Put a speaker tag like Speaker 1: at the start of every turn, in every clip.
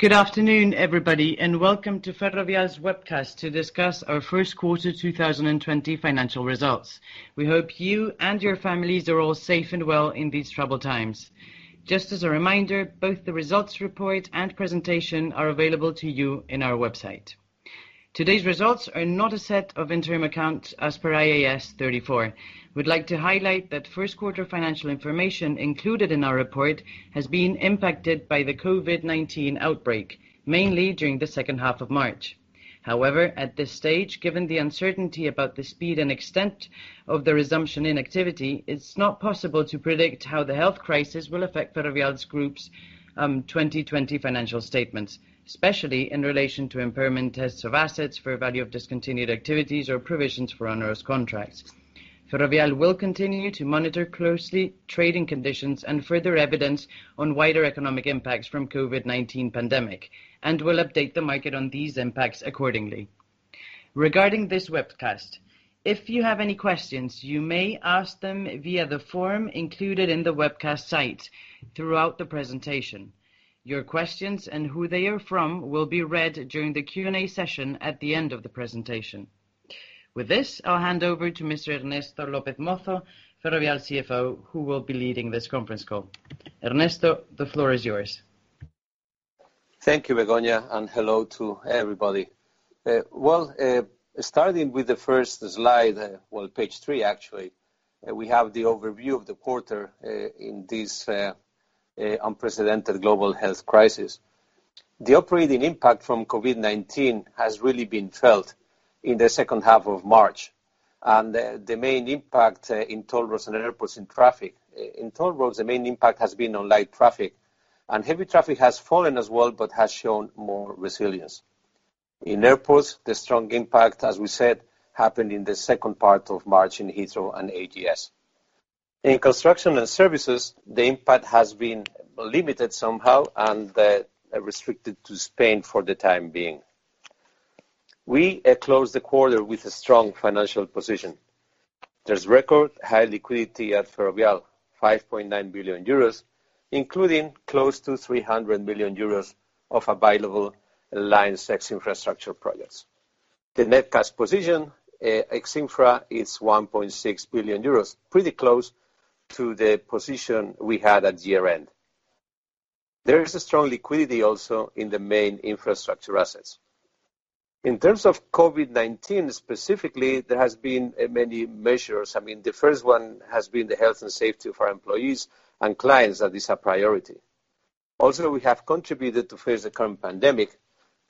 Speaker 1: Good afternoon, everybody, and welcome to Ferrovial's webcast to discuss our Q1 2020 financial results. We hope you and your families are all safe and well in these troubled times. Just as a reminder, both the results report and presentation are available to you in our website. Today's results are not a set of interim accounts as per IAS 34. We'd like to highlight that Q1 financial information included in our report has been impacted by the COVID-19 outbreak, mainly during the second half of March. However, at this stage, given the uncertainty about the speed and extent of the resumption in activity, it's not possible to predict how the health crisis will affect Ferrovial Group's 2020 financial statements, especially in relation to impairment tests of assets for value of discontinued activities or provisions for onerous contracts. Ferrovial will continue to monitor closely trading conditions and further evidence on wider economic impacts from COVID-19 pandemic, and will update the market on these impacts accordingly. Regarding this webcast, if you have any questions, you may ask them via the form included in the webcast site throughout the presentation. Your questions and who they are from will be read during the Q&A session at the end of the presentation. With this, I'll hand over to Mr. Ernesto López Mozo, Ferrovial CFO, who will be leading this conference call. Ernesto, the floor is yours.
Speaker 2: Thank you, Begoña. Hello to everybody. Well, starting with the first slide, page three, actually, we have the overview of the quarter, in this unprecedented global health crisis. The operating impact from COVID-19 has really been felt in the second half of March. The main impact in toll roads and airports in traffic. In toll roads, the main impact has been on light traffic, and heavy traffic has fallen as well, but has shown more resilience. In airports, the strong impact, as we said, happened in the second part of March in Heathrow and AGS. In construction and services, the impact has been limited somehow and restricted to Spain for the time being. We closed the quarter with a strong financial position. There's record high liquidity at Ferrovial, 5.9 billion euros, including close to 300 million euros of available lines ex infrastructure projects. The net cash position, ex infra, is 1.6 billion euros, pretty close to the position we had at year-end. There is a strong liquidity also in the main infrastructure assets. In terms of COVID-19, specifically, there has been many measures. The first one has been the health and safety of our employees and clients, that is a priority. We have contributed to face the current pandemic,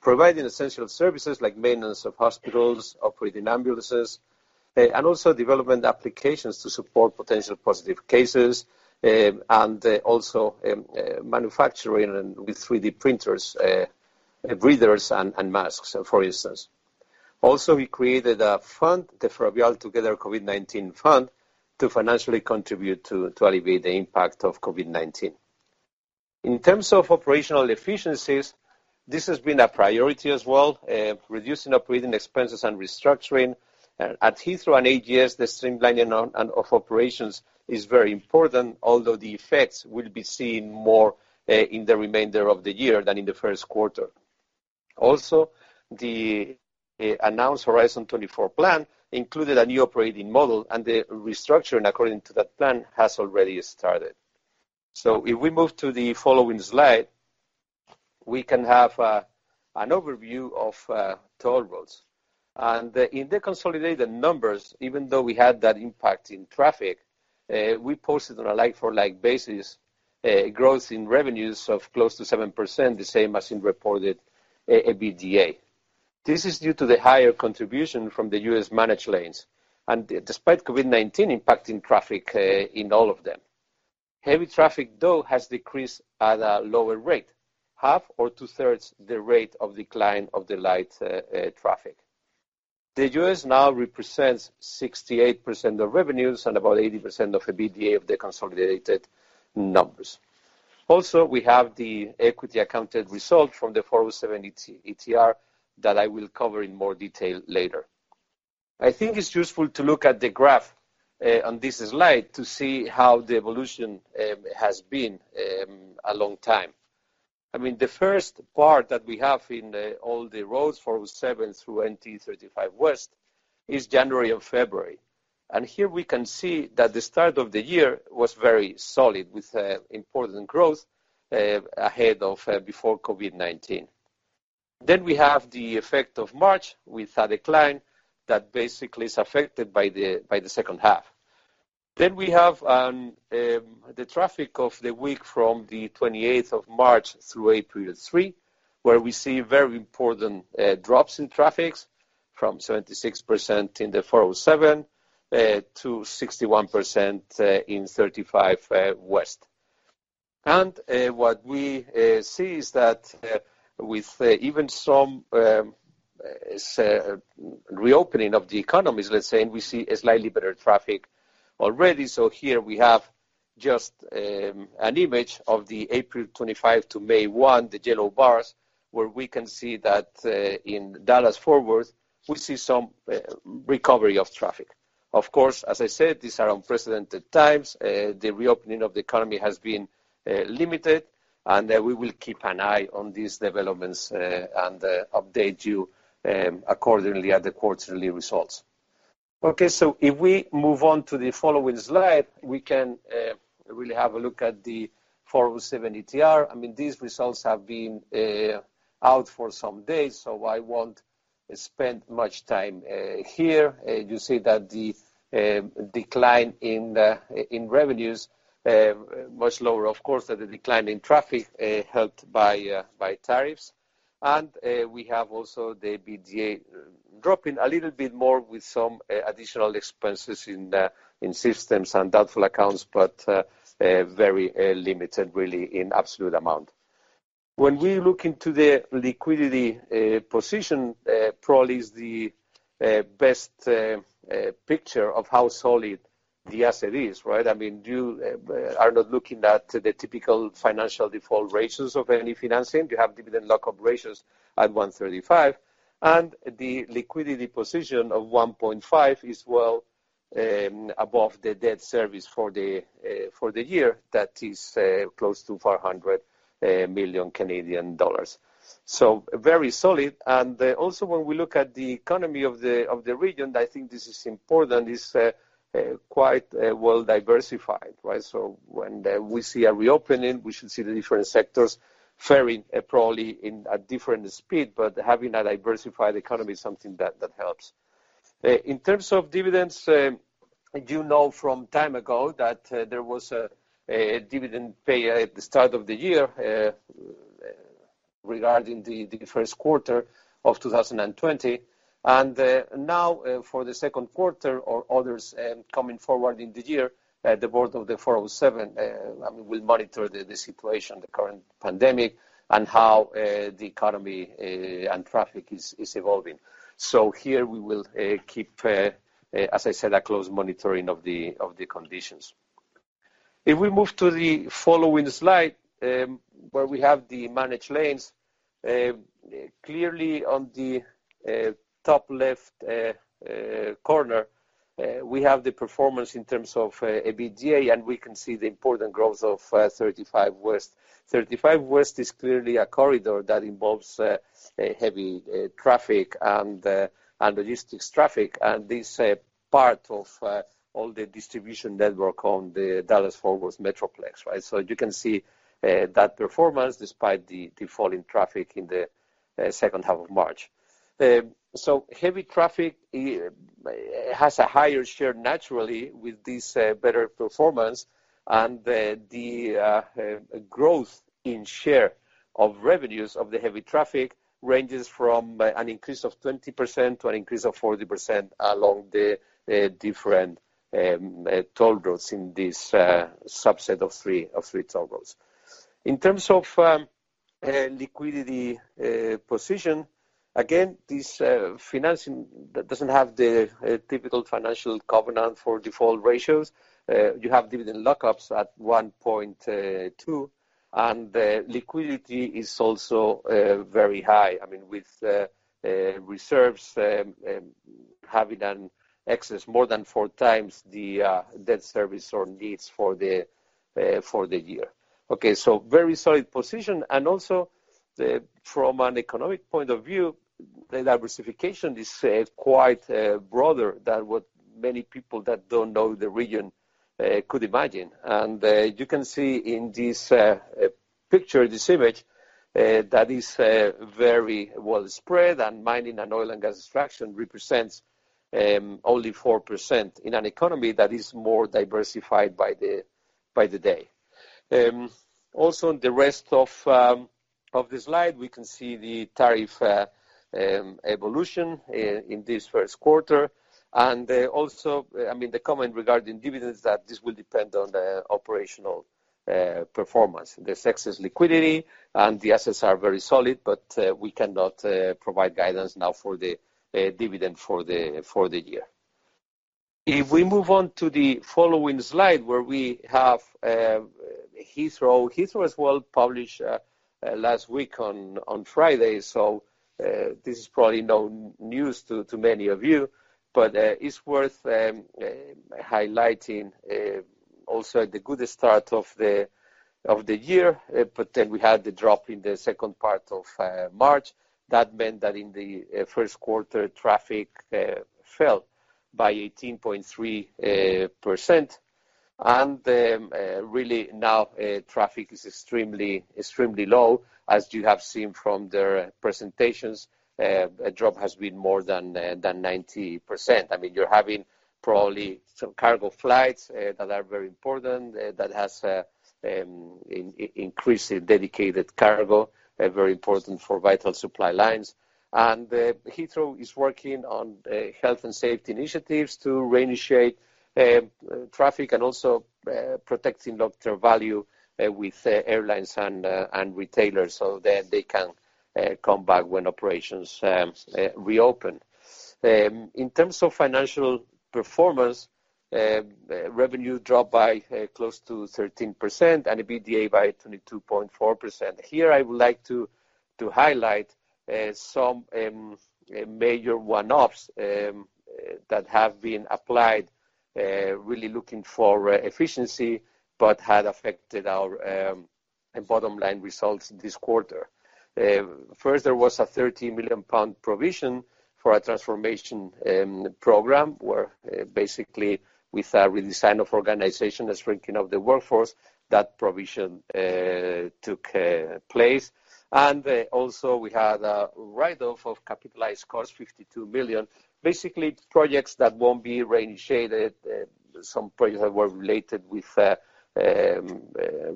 Speaker 2: providing essential services like maintenance of hospitals, operating ambulances, and also development applications to support potential positive cases, and also manufacturing with 3D printers, breathers and masks, for instance. We created a fund, the Ferrovial Together COVID-19 Fund, to financially contribute to alleviate the impact of COVID-19. In terms of operational efficiencies, this has been a priority as well, reducing operating expenses and restructuring. At Heathrow and AGS, the streamlining of operations is very important, although the effects will be seen more in the remainder of the year than in the Q1. The announced Horizon 24 plan included a new operating model, and the restructuring according to that plan has already started. If we move to the following slide, we can have an overview of toll roads. In the consolidated numbers, even though we had that impact in traffic, we posted on a like-for-like basis, a growth in revenues of close to 7%, the same as in reported EBITDA. This is due to the higher contribution from the U.S. managed lanes, and despite COVID-19 impacting traffic in all of them. Heavy traffic, though, has decreased at a lower rate, half or two-thirds the rate of decline of the light traffic. The U.S. now represents 68% of revenues and about 80% of the EBITDA of the consolidated numbers. We have the equity accounted result from the 407 ETR that I will cover in more detail later. I think it's useful to look at the graph on this slide to see how the evolution has been a long time. The first part that we have in all the roads, 407 through NTE 35 West, is January and February. Here we can see that the start of the year was very solid, with important growth ahead of before COVID-19. We have the effect of March with a decline that basically is affected by the second half. We have the traffic of the week from the 28th March through April 3rd, where we see very important drops in traffics from 76% in the 407, to 61% in 35 West. What we see is that with even some reopening of the economies, let's say, and we see a slightly better traffic already. Here we have just an image of the April 25th to May 1st, the yellow bars, where we can see that, in Dallas-Fort Worth, we see some recovery of traffic. Of course, as I said, these are unprecedented times. The reopening of the economy has been limited, and we will keep an eye on these developments and update you accordingly at the quarterly results. If we move on to the following slide, we can really have a look at the 407 ETR. These results have been out for some days, so I won't spend much time here. You see that the decline in revenues, much lower, of course, than the decline in traffic, helped by tariffs. We have also the EBITDA dropping a little bit more with some additional expenses in systems and doubtful accounts, but very limited really in absolute amount. When we look into the liquidity position, probably is the best picture of how solid the asset is, right? You are not looking at the typical financial default ratios of any financing. You have dividend lock-up ratios at 135, and the liquidity position of 1.5 is well above the debt service for the year, that is close to 400 million Canadian dollars. Very solid. Also when we look at the economy of the region, I think this is important, it's quite well-diversified, right? When we see a reopening, we should see the different sectors faring probably in a different speed, but having a diversified economy is something that helps. In terms of dividends, you know from time ago that there was a dividend paid at the start of the year, regarding the Q1 of 2020. Now for the Q2 or others coming forward in the year, the board of the 407 will monitor the situation, the current pandemic, and how the economy and traffic is evolving. Here we will keep, as I said, a close monitoring of the conditions. If we move to the following slide, where we have the managed lanes. Clearly on the top left corner, we have the performance in terms of EBITDA, and we can see the important growth of 35 West. 35 West is clearly a corridor that involves heavy traffic and logistics traffic, and this part of all the distribution network on the Dallas-Fort Worth metroplex, right? You can see that performance despite the fall in traffic in the second half of March. Heavy traffic has a higher share naturally with this better performance, and the growth in share of revenues of the heavy traffic ranges from an increase of 20% to an increase of 40% along the different toll roads in this subset of three toll roads. In terms of liquidity position, again, this financing doesn't have the typical financial covenant for default ratios. You have dividend lock-ups at 1.2, and the liquidity is also very high. With reserves having an excess more than four times the debt service or needs for the year. Very solid position, and also from an economic point of view, the diversification is quite broader than what many people that don't know the region could imagine. You can see in this picture, this image, that is very well spread, and mining and oil and gas extraction represents only 4% in an economy that is more diversified by the day. Also, in the rest of the slide, we can see the tariff evolution in this Q1, and also the comment regarding dividends that this will depend on the operational performance. There's excess liquidity, and the assets are very solid, but we cannot provide guidance now for the dividend for the year. If we move on to the following slide, where we have Heathrow. Heathrow as well published last week on Friday, so this is probably no news to many of you, but it's worth highlighting also the good start of the year. We had the drop in the second part of March. That meant that in the Q1, traffic fell by 18.3%. Really now traffic is extremely low. As you have seen from their presentations, drop has been more than 90%. You're having probably some cargo flights that are very important, that has increased dedicated cargo, very important for vital supply lines. Heathrow is working on health and safety initiatives to reinitiate traffic and also protecting long-term value with airlines and retailers so they can come back when operations reopen. In terms of financial performance, revenue dropped by close to 13% and EBITDA by 22.4%. Here I would like to highlight some major one-offs that have been applied, really looking for efficiency, but had affected our bottom line results this quarter. First, there was a 30 million pound provision for a transformation program, where basically with a redesign of organization, a shrinking of the workforce, that provision took place. Also we had a write-off of capitalized costs, 52 million. Basically, projects that won't be re-initiating, some projects that were related with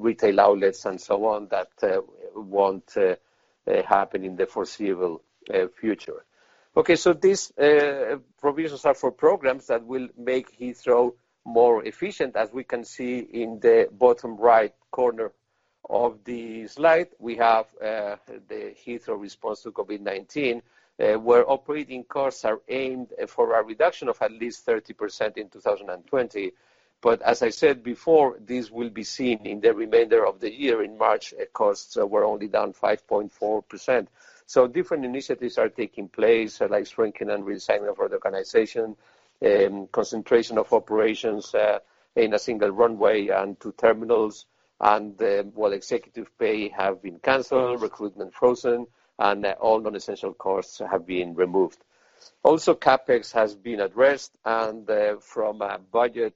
Speaker 2: retail outlets and so on that won't happen in the foreseeable future. These provisions are for programs that will make Heathrow more efficient. As we can see in the bottom right corner of the slide, we have the Heathrow response to COVID-19, where operating costs are aimed for a reduction of at least 30% in 2020. As I said before, this will be seen in the remainder of the year. In March, costs were only down 5.4%. Different initiatives are taking place, like shrinking and redesigning of the organization, concentration of operations in a single runway and two terminals, and all executive pay have been canceled, recruitment frozen, and all non-essential costs have been removed. CapEx has been addressed, and from a budget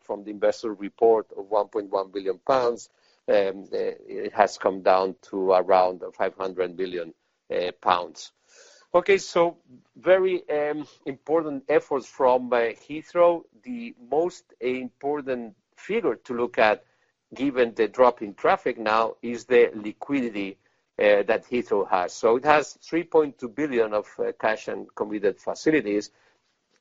Speaker 2: from the investor report of 1.1 billion pounds, it has come down to around 500 million pounds. Very important efforts from Heathrow. The most important figure to look at, given the drop in traffic now, is the liquidity that Heathrow has. It has 3.2 billion of cash and committed facilities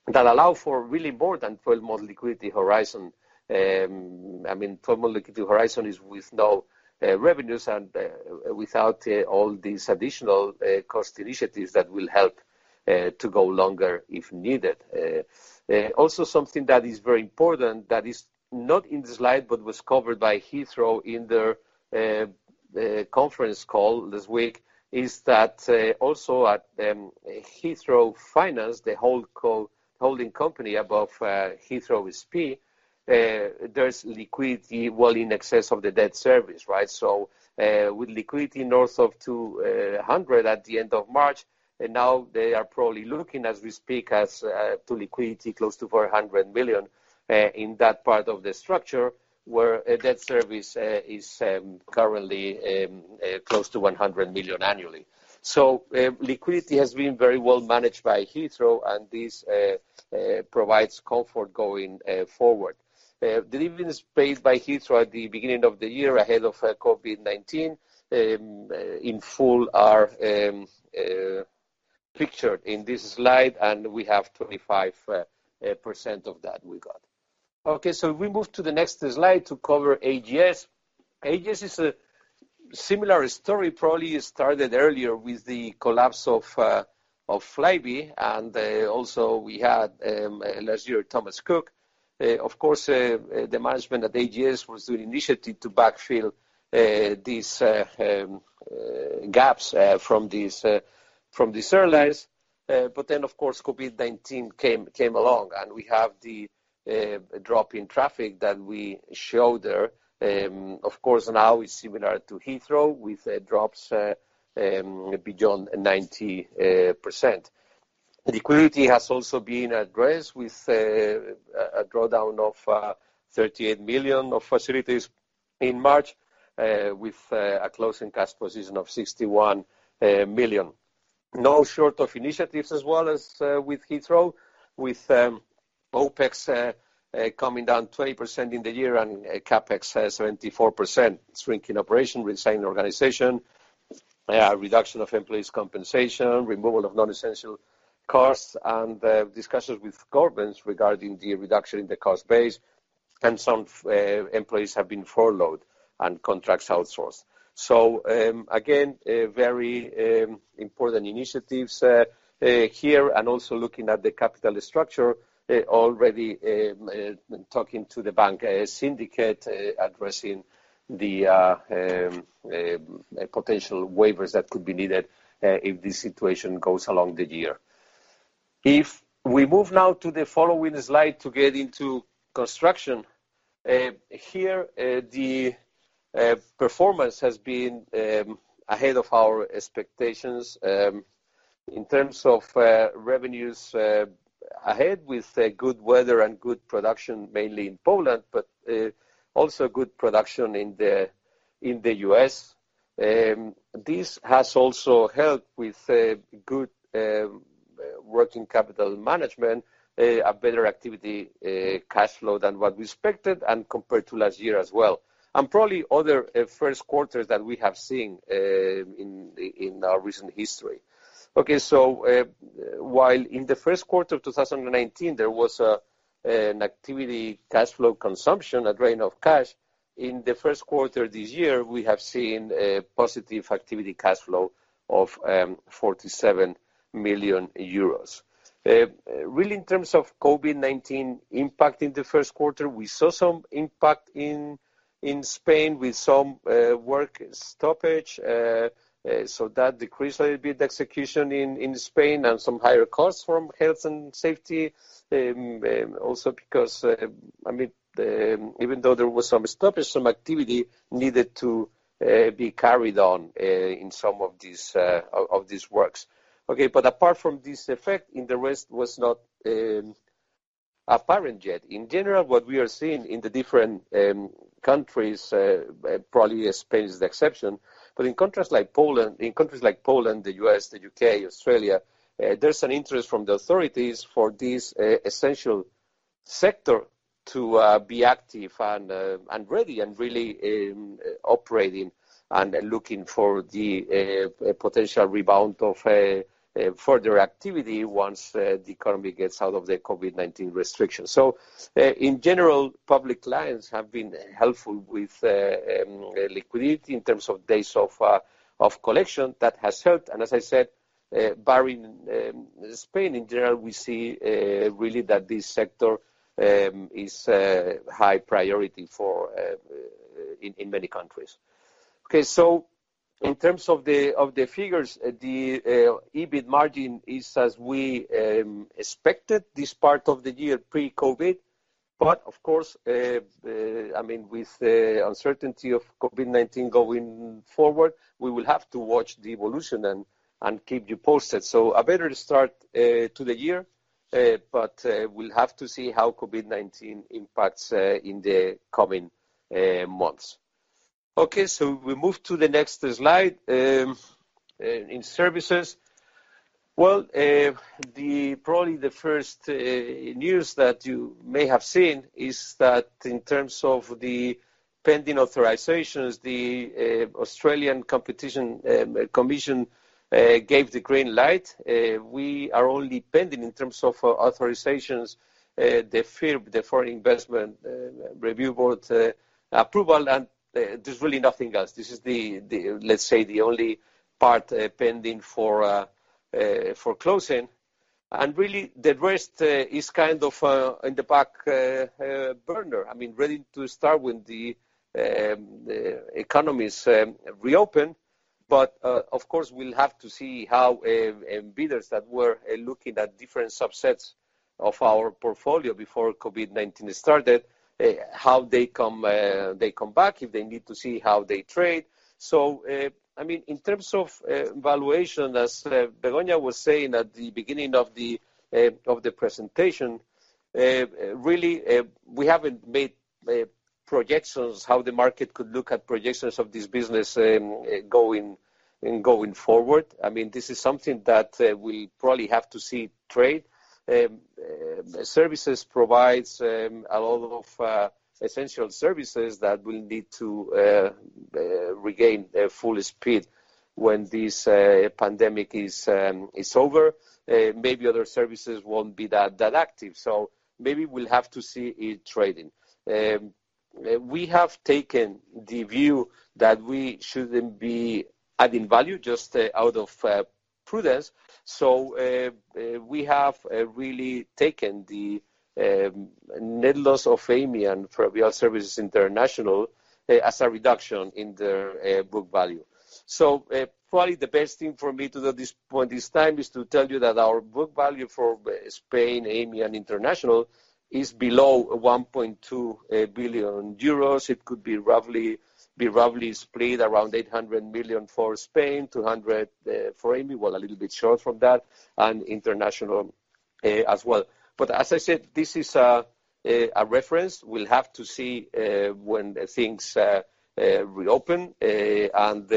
Speaker 2: that allow for really more than 12-month liquidity horizon. I mean, 12-month liquidity horizon is with no revenues and without all these additional cost initiatives that will help to go longer if needed. Something that is very important that is not in the slide, but was covered by Heathrow in their conference call this week, is that also at Heathrow Finance plc, the holding company above Heathrow (SP) Limited, there is liquidity well in excess of the debt service. With liquidity north of 200 million at the end of March, and now they are probably looking as we speak, as to liquidity close to 400 million in that part of the structure, where debt service is currently close to 100 million annually. Liquidity has been very well managed by Heathrow, and this provides comfort going forward. Dividends paid by Heathrow at the beginning of the year ahead of COVID-19 in full are pictured in this slide, and we have 25% of that we got. Okay, we move to the next slide to cover AGS. AGS is a similar story, probably started earlier with the collapse of Flybe, and also we had last year Thomas Cook. Of course, the management at AGS was doing initiative to backfill these gaps from these airlines. Of course, COVID-19 came along, and we have the drop in traffic that we show there. Of course, now it's similar to Heathrow, with drops beyond 90%. Liquidity has also been addressed with a drawdown of 38 million of facilities in March, with a closing cash position of 61 million. No short of initiatives as well as with Heathrow, with OpEx coming down 20% in the year and CapEx 74%, shrinking operation, resigning organization, reduction of employees compensation, removal of non-essential costs, and discussions with governments regarding the reduction in the cost base, and some employees have been furloughed and contracts outsourced. Again, very important initiatives here and also looking at the capital structure, already talking to the bank syndicate, addressing the potential waivers that could be needed if this situation goes along the year. If we move now to the following slide to get into construction. Here, the performance has been ahead of our expectations. In terms of revenues ahead with good weather and good production, mainly in Poland, but also good production in the U.S. This has also helped with good working capital management, a better activity cash flow than what we expected and compared to last year as well, and probably other Q1s that we have seen in our recent history. Okay, while in the Q1 of 2019, there was an activity cash flow consumption, a drain of cash. In the Q1 this year, we have seen a positive activity cash flow of 47 million euros. Really, in terms of COVID-19 impact in the Q1, we saw some impact in Spain with some work stoppage, that decreased a little bit execution in Spain and some higher costs from health and safety. Because, even though there was some stoppage, some activity needed to be carried on in some of these works. Apart from this effect, in the rest was not apparent yet. In general, what we are seeing in the different countries, probably Spain is the exception, but in countries like Poland, the U.S., the U.K., Australia, there's an interest from the authorities for this essential sector to be active and ready and Really operating and looking for the potential rebound of further activity once the economy gets out of the COVID-19 restrictions. In general, public clients have been helpful with liquidity in terms of days of collection. That has helped. As I said, barring Spain, in general, we see really that this sector is a high priority in many countries. In terms of the figures, the EBIT margin is as we expected this part of the year pre-COVID. Of course, with the uncertainty of COVID-19 going forward, we will have to watch the evolution and keep you posted. A better start to the year, but we'll have to see how COVID-19 impacts in the coming months. We move to the next slide. In services, well, probably the first news that you may have seen is that in terms of the pending authorizations, the Australian Competition Commission gave the green light. We are only pending in terms of authorizations, the FIRB, the Foreign Investment Review Board approval, there's really nothing else. This is, let's say, the only part pending for closing. Really, the rest is kind of in the back burner. Ready to start when the economies reopen. Of course, we'll have to see how bidders that were looking at different subsets of our portfolio before COVID-19 started, how they come back, if they need to see how they trade. In terms of valuation, as Begoña was saying at the beginning of the presentation, really, we haven't made projections how the market could look at projections of this business going forward. This is something that we'll probably have to see trade. Services provides a lot of essential services that will need to regain full speed when this pandemic is over. Maybe other services won't be that active, so maybe we'll have to see it trading. We have taken the view that we shouldn't be adding value just out of prudence. We have really taken the net loss of Amey and Ferrovial Services International as a reduction in their book value. Probably the best thing for me to do at this point, this time, is to tell you that our book value for Spain, Amey, and International is below 1.2 billion euros. It could be roughly spread around 800 million for Spain, 200 million for Amey. A little bit short from that, and International as well. As I said, this is a reference. We'll have to see when things reopen, and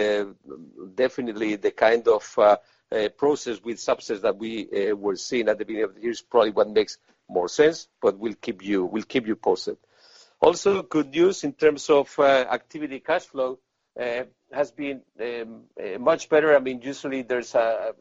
Speaker 2: definitely the kind of process with subsets that we were seeing at the beginning of the year is probably what makes more sense, but we'll keep you posted. Good news in terms of activity cash flow has been much better. Usually there's a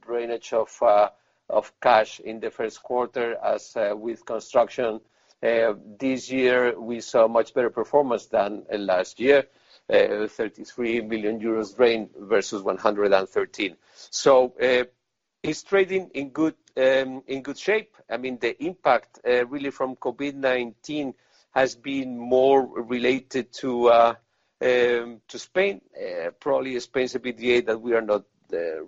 Speaker 2: drainage of cash in the Q1 as with construction. This year, we saw much better performance than last year, 33 million euros drain versus 113 million. It's trading in good shape. The impact really from COVID-19 has been more related to Spain. Probably Spain's EBITDA that we are not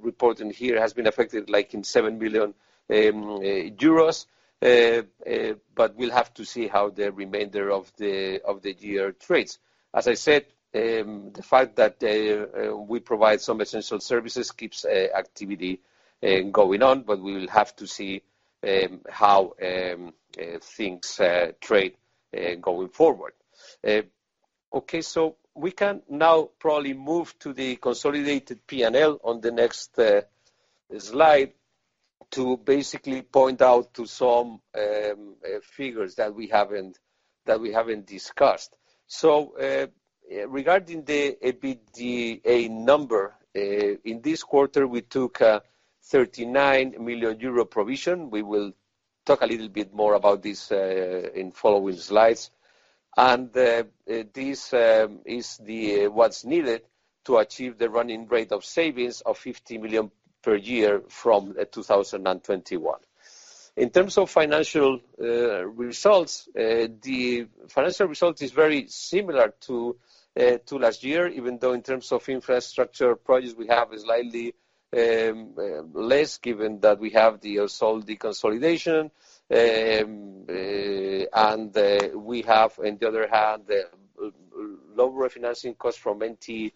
Speaker 2: reporting here has been affected like in 7 million euros, we'll have to see how the remainder of the year trades. As I said, the fact that we provide some essential services keeps activity going on, we will have to see how things trade going forward. We can now probably move to the consolidated P&L on the next slide to basically point out to some figures that we haven't discussed. Regarding the EBITDA number, in this quarter, we took a 39 million euro provision. We will talk a little bit more about this in following slides. This is what's needed to achieve the running rate of savings of 50 million per year from 2021. In terms of financial results, the financial result is very similar to last year, even though in terms of infrastructure projects, we have slightly less, given that we have the consolidation. We have, on the other hand, lower refinancing costs from NTE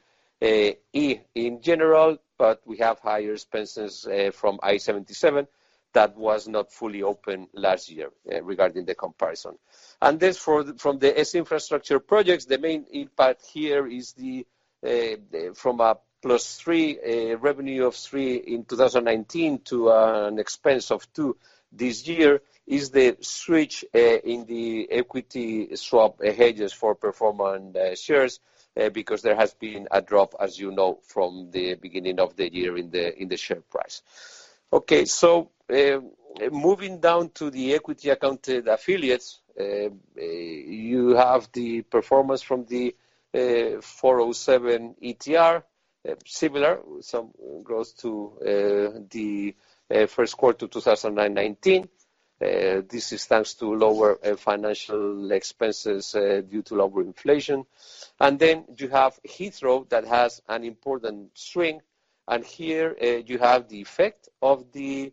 Speaker 2: in general, but we have higher expenses from I-77 that was not fully open last year regarding the comparison. From the ex infrastructure projects, the main impact here is from a +3, a revenue of 3 in 2019 to an expense of 2 this year, is the switch in the equity swap hedges for performance shares, because there has been a drop, as you know, from the beginning of the year in the share price. Moving down to the equity accounted affiliates, you have the performance from the 407 ETR, similar, some growth to the Q1 2019. This is thanks to lower financial expenses due to lower inflation. You have Heathrow that has an important swing. Here you have the effect of the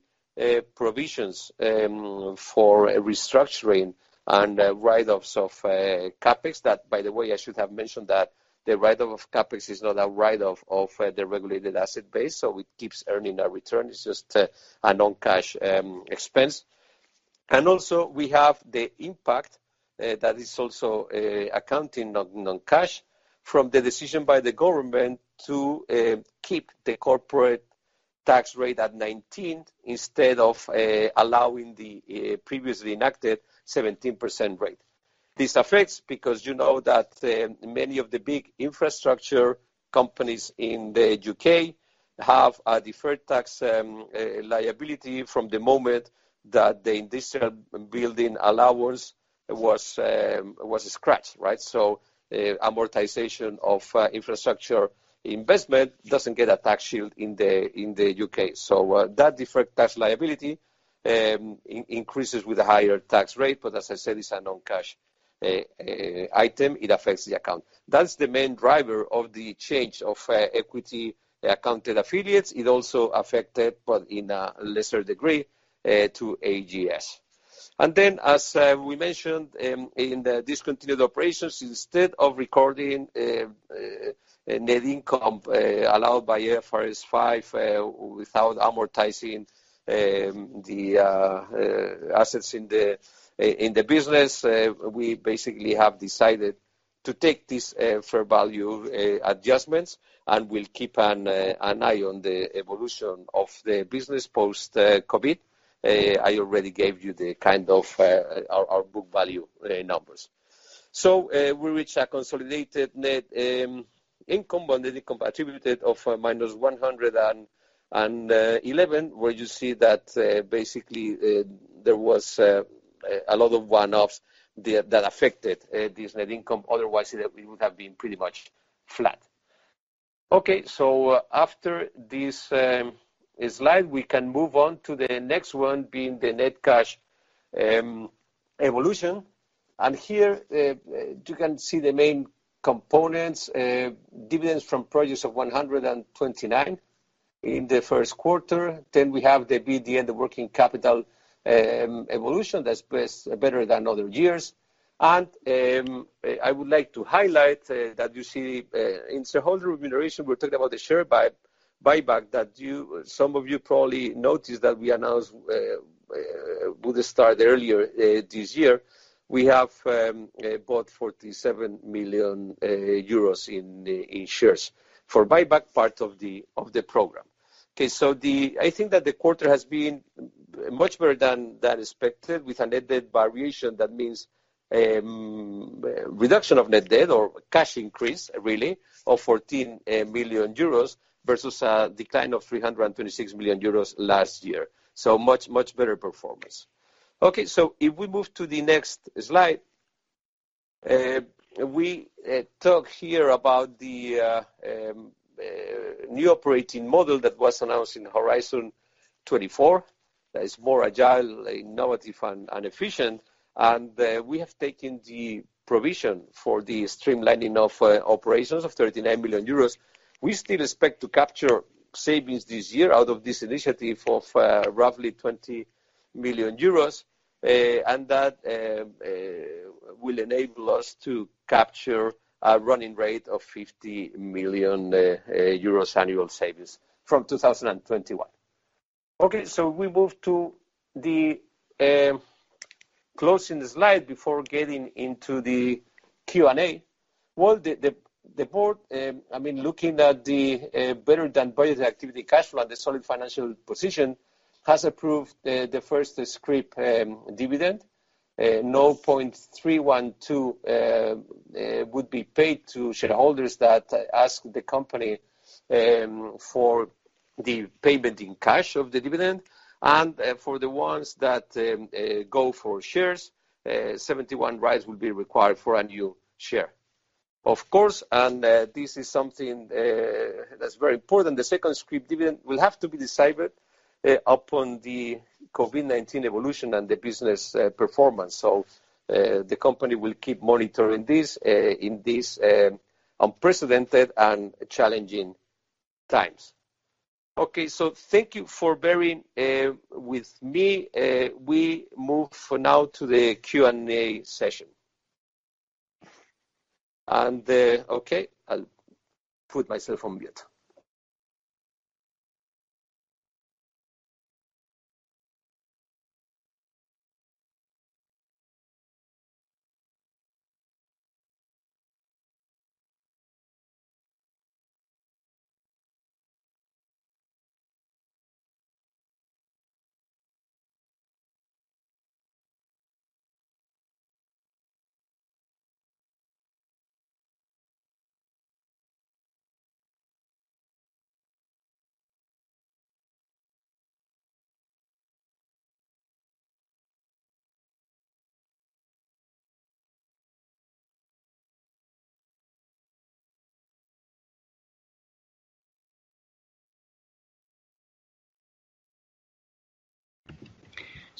Speaker 2: provisions for restructuring and write-offs of CapEx. By the way, I should have mentioned that the write-off of CapEx is not a write-off of the regulated asset base, so it keeps earning a return. It's just a non-cash expense. Also we have the impact that is also accounting non-cash from the decision by the government to keep the corporate tax rate at 19 instead of allowing the previously enacted 17% rate. This affects because you know that many of the big infrastructure companies in the U.K. have a deferred tax liability from the moment that the Industrial Buildings Allowance was scratched, right? Amortization of infrastructure investment doesn't get a tax shield in the U.K. That deferred tax liability increases with a higher tax rate. As I said, it's a non-cash item. It affects the account. That's the main driver of the change of equity accounted affiliates. It also affected, but in a lesser degree, to AGS. As we mentioned in the discontinued operations, instead of recording net income allowed by IFRS 5 without amortizing the assets in the business, we basically have decided to take these fair value adjustments, and we'll keep an eye on the evolution of the business post-COVID. I already gave you our book value numbers. We reach a consolidated net income attributed of -111, where you see that basically there was a lot of one-offs that affected this net income. Otherwise, we would have been pretty much flat. Okay. After this slide, we can move on to the next one being the net cash evolution. Here you can see the main components, dividends from projects of 129 in the Q1. We have the BD and the working capital evolution that's better than other years. I would like to highlight that you see in shareholder remuneration, we're talking about the share buyback that some of you probably noticed that we announced with the start earlier this year. We have bought 47 million euros in shares for buyback part of the program. Okay. I think that the quarter has been much better than expected with a net debt variation. That means reduction of net debt or cash increase, really, of 14 million euros versus a decline of 326 million euros last year. Much better performance. Okay. If we move to the next slide. We talk here about the new operating model that was announced in Horizon 24 that is more agile, innovative, and efficient. We have taken the provision for the streamlining of operations of 39 million euros. We still expect to capture savings this year out of this initiative of roughly 20 million euros, and that will enable us to capture a running rate of 50 million euros annual savings from 2021. We move to the closing slide before getting into the Q&A. The board, looking at the better-than-budget activity, cash flow, and the solid financial position, has approved the first scrip dividend. 0.312 would be paid to shareholders that ask the company for the payment in cash of the dividend. For the ones that go for shares, 71 rights will be required for a new share. Of course, this is something that's very important, the second scrip dividend will have to be decided upon the COVID-19 evolution and the business performance. The company will keep monitoring this in these unprecedented and challenging times. Okay. Thank you for bearing with me. We move for now to the Q&A session. Okay, I'll put myself on mute.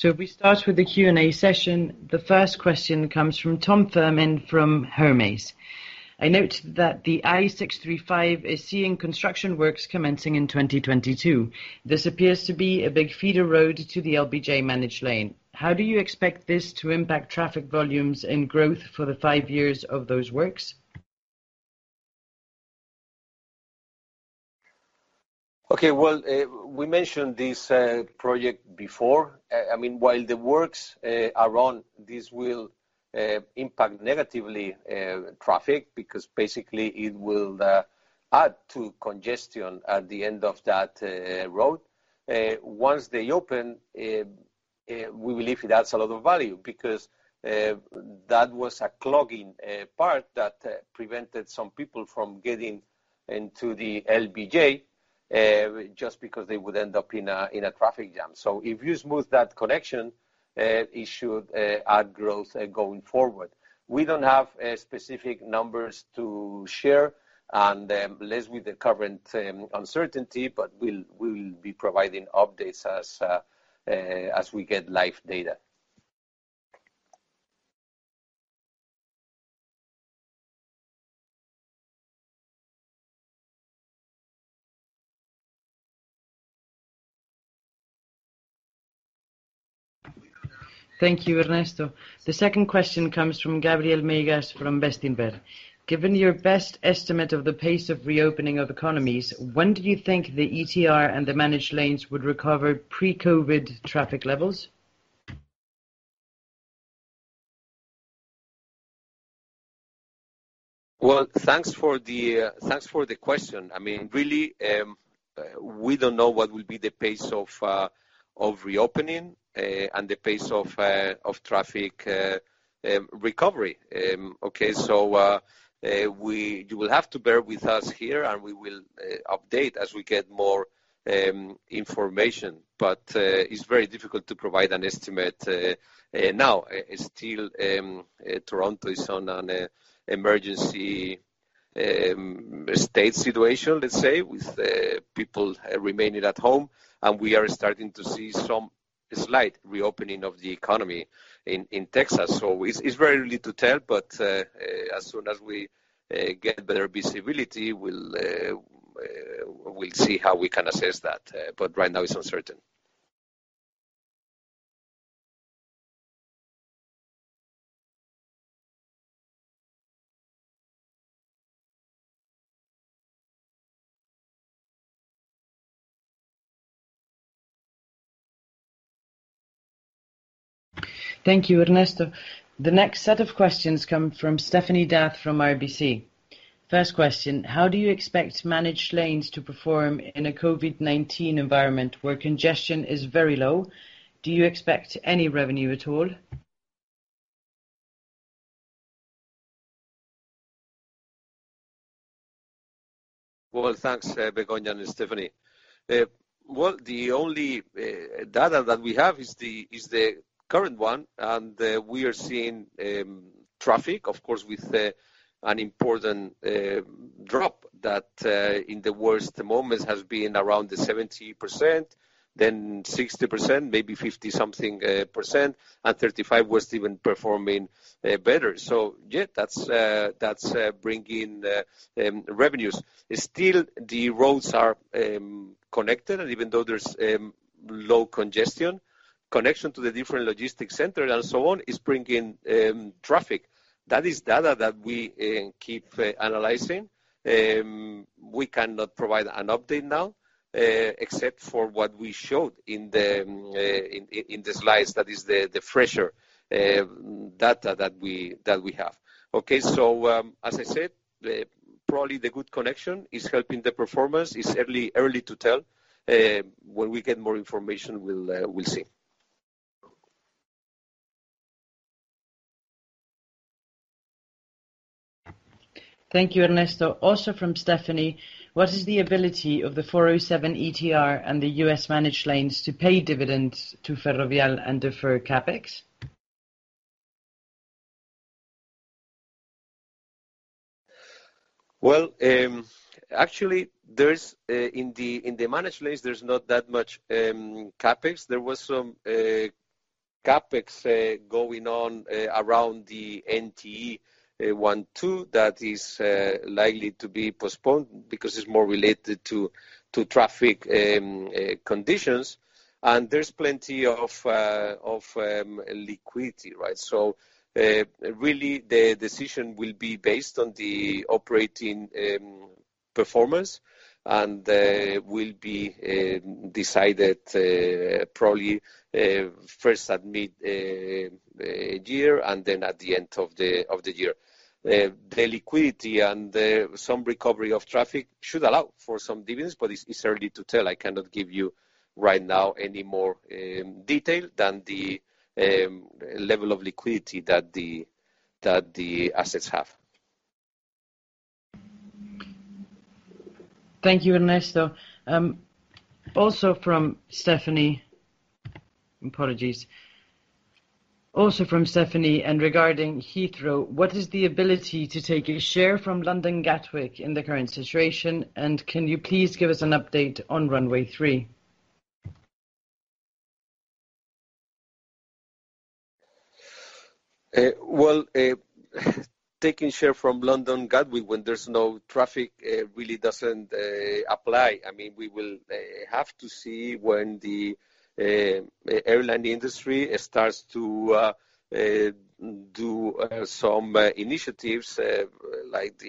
Speaker 1: If we start with the Q&A session, the first question comes from Tom Firmin from Hermes. I note that the I-635 is seeing construction works commencing in 2022. This appears to be a big feeder road to the LBJ managed lane. How do you expect this to impact traffic volumes and growth for the five years of those works?
Speaker 2: Okay. Well, we mentioned this project before. While the works are on, this will impact negatively traffic, because basically it will add to congestion at the end of that road. Once they open, we believe it adds a lot of value because, that was a clogging part that prevented some people from getting into the LBJ, just because they would end up in a traffic jam. If you smooth that connection, it should add growth going forward. We don't have specific numbers to share, and less with the current uncertainty, but we'll be providing updates as we get live data.
Speaker 1: Thank you, Ernesto. The second question comes from Gabriel Megías from BESTINVER. Given your best estimate of the pace of reopening of economies, when do you think the ETR and the managed lanes would recover pre-COVID traffic levels?
Speaker 2: Well, thanks for the question. Really, we don't know what will be the pace of reopening, and the pace of traffic recovery. Okay, you will have to bear with us here, and we will update as we get more information. It's very difficult to provide an estimate now. Still Toronto is on an emergency state situation, let's say, with people remaining at home, and we are starting to see some slight reopening of the economy in Texas. It's very early to tell, but as soon as we get better visibility, we'll see how we can assess that. Right now it's uncertain.
Speaker 1: Thank you, Ernesto. The next set of questions come from Stéphanie D'Ath from RBC Capital Markets. First question, how do you expect managed lanes to perform in a COVID-19 environment where congestion is very low? Do you expect any revenue at all?
Speaker 2: Well, thanks, Begoña and Stéphanie. Well, the only data that we have is the current one, and we are seeing traffic, of course, with an important drop that in the worst moments has been around 70%, then 60%, maybe 50-something percent, and 35% was even performing better. Yeah, that's bringing revenues. Still, the roads are connected, and even though there's low congestion, connection to the different logistics centers and so on is bringing traffic. That is data that we keep analyzing. We cannot provide an update now, except for what we showed in the slides, that is the fresher data that we have. Okay, as I said, probably the good connection is helping the performance. It's early to tell. When we get more information, we'll see.
Speaker 1: Thank you, Ernesto. Also from Stephanie, what is the ability of the 407 ETR and the U.S. managed lanes to pay dividends to Ferrovial and defer CapEx?
Speaker 2: Well, actually, in the managed lanes, there's not that much CapEx. There was some CapEx going on around the NTE 1, 2 that is likely to be postponed because it's more related to traffic conditions. There's plenty of liquidity, right? Really, the decision will be based on the operating performance and will be decided probably first at mid-year and then at the end of the year. The liquidity and some recovery of traffic should allow for some dividends, but it's early to tell. I cannot give you, right now, any more detail than the level of liquidity that the assets have.
Speaker 1: Thank you, Ernesto. Also from Stéphanie, regarding Heathrow, what is the ability to take a share from London Gatwick in the current situation? Can you please give us an update on Runway 3?
Speaker 2: Well, taking share from London Gatwick when there's no traffic, really doesn't apply. We will have to see when the airline industry starts to do some initiatives, like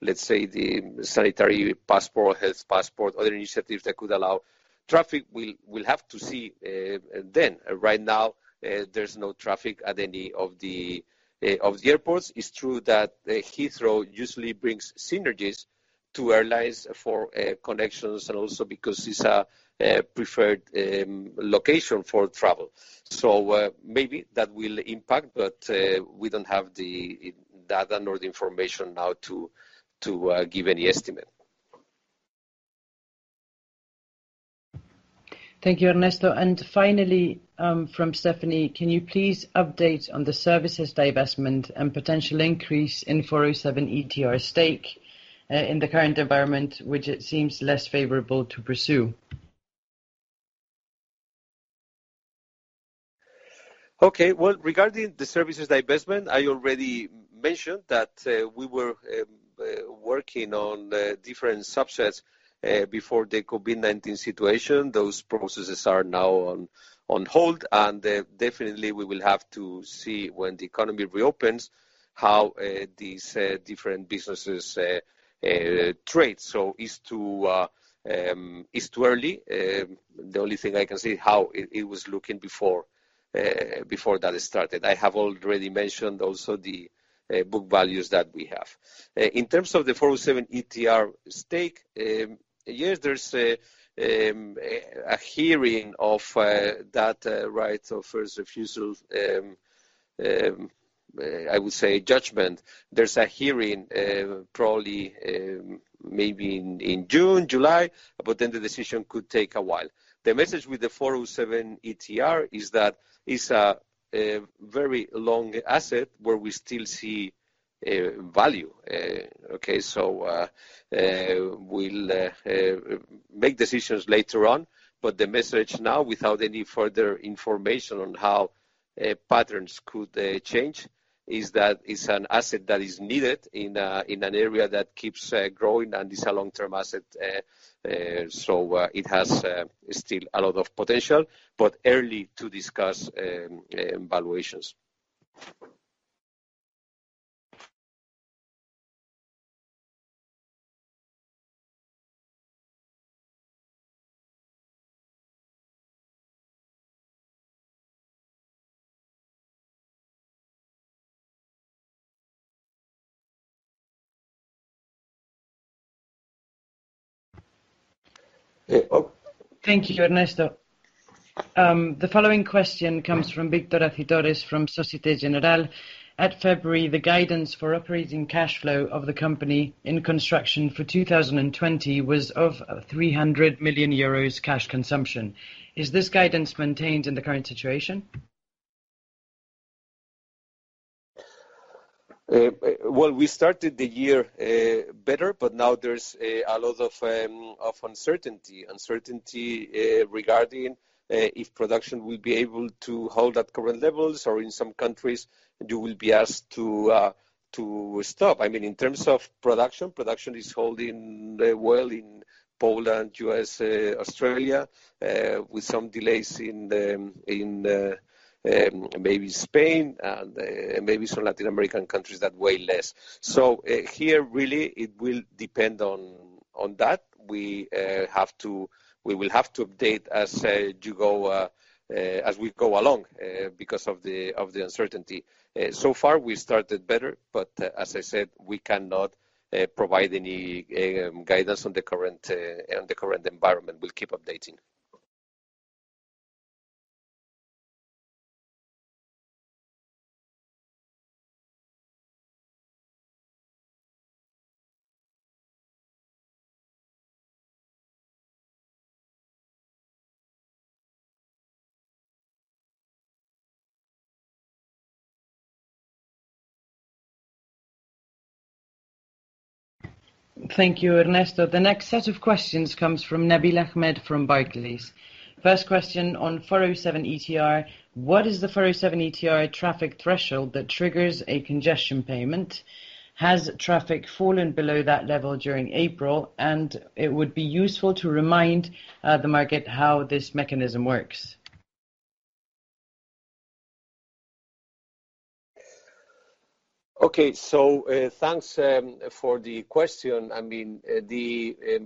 Speaker 2: let's say the sanitary passport, health passport, other initiatives that could allow traffic. We'll have to see then. Right now, there's no traffic at any of the airports. It's true that Heathrow usually brings synergies to airlines for connections and also because it's a preferred location for travel. Maybe that will impact, but we don't have the data nor the information now to give any estimate.
Speaker 1: Thank you, Ernesto. Finally, from Stéphanie, can you please update on the services divestment and potential increase in 407 ETR stake, in the current environment, which it seems less favorable to pursue?
Speaker 2: Okay. Well, regarding the services divestment, I already mentioned that we were working on different subsets before the COVID-19 situation. Definitely we will have to see when the economy reopens, how these different businesses trade. It's too early. The only thing I can say, how it was looking before that started. I have already mentioned also the book values that we have. In terms of the 407 ETR stake, yes, there's a hearing of that right of first refusal, I would say, judgment. There's a hearing, probably, maybe in June, July, the decision could take a while. The message with the 407 ETR is that it's a very long asset where we still see value. We'll make decisions later on, but the message now, without any further information on how patterns could change, is that it's an asset that is needed in an area that keeps growing and is a long-term asset. It has still a lot of potential, but early to discuss valuations.
Speaker 1: Thank you, Ernesto. The following question comes from Victor Acitores from Societe Generale. At February, the guidance for operating cash flow of the company in construction for 2020 was of 300 million euros cash consumption. Is this guidance maintained in the current situation?
Speaker 2: We started the year better, now there's a lot of uncertainty. Uncertainty regarding if production will be able to hold at current levels, in some countries, you will be asked to stop. In terms of production is holding well in Poland, U.S., Australia, with some delays in maybe Spain and maybe some Latin American countries that weigh less. Here, really, it will depend on that. We will have to update as we go along, because of the uncertainty. So far, we started better, as I said, we cannot provide any guidance on the current environment. We'll keep updating.
Speaker 1: Thank you, Ernesto. The next set of questions comes from Nabil Ahmed from Barclays. First question on 407 ETR. What is the 407 ETR traffic threshold that triggers a congestion payment? Has traffic fallen below that level during April? It would be useful to remind the market how this mechanism works.
Speaker 2: Okay. Thanks for the question. The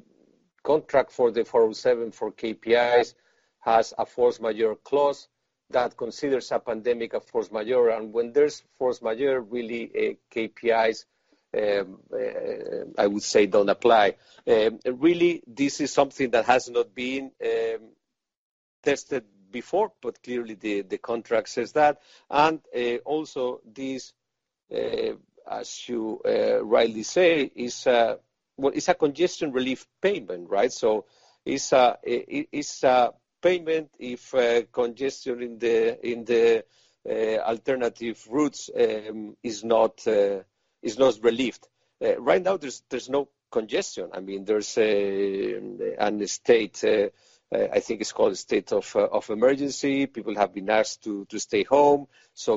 Speaker 2: contract for the 407 for KPIs has a force majeure clause that considers a pandemic a force majeure. When there's force majeure, really, KPIs, I would say, don't apply. Really, this is something that has not been tested before, but clearly, the contract says that. As you rightly say, it's a congestion relief payment, right? It's a payment if congestion in the alternative routes is not relieved. Right now, there's no congestion. There's a state, I think it's called a state of emergency. People have been asked to stay home.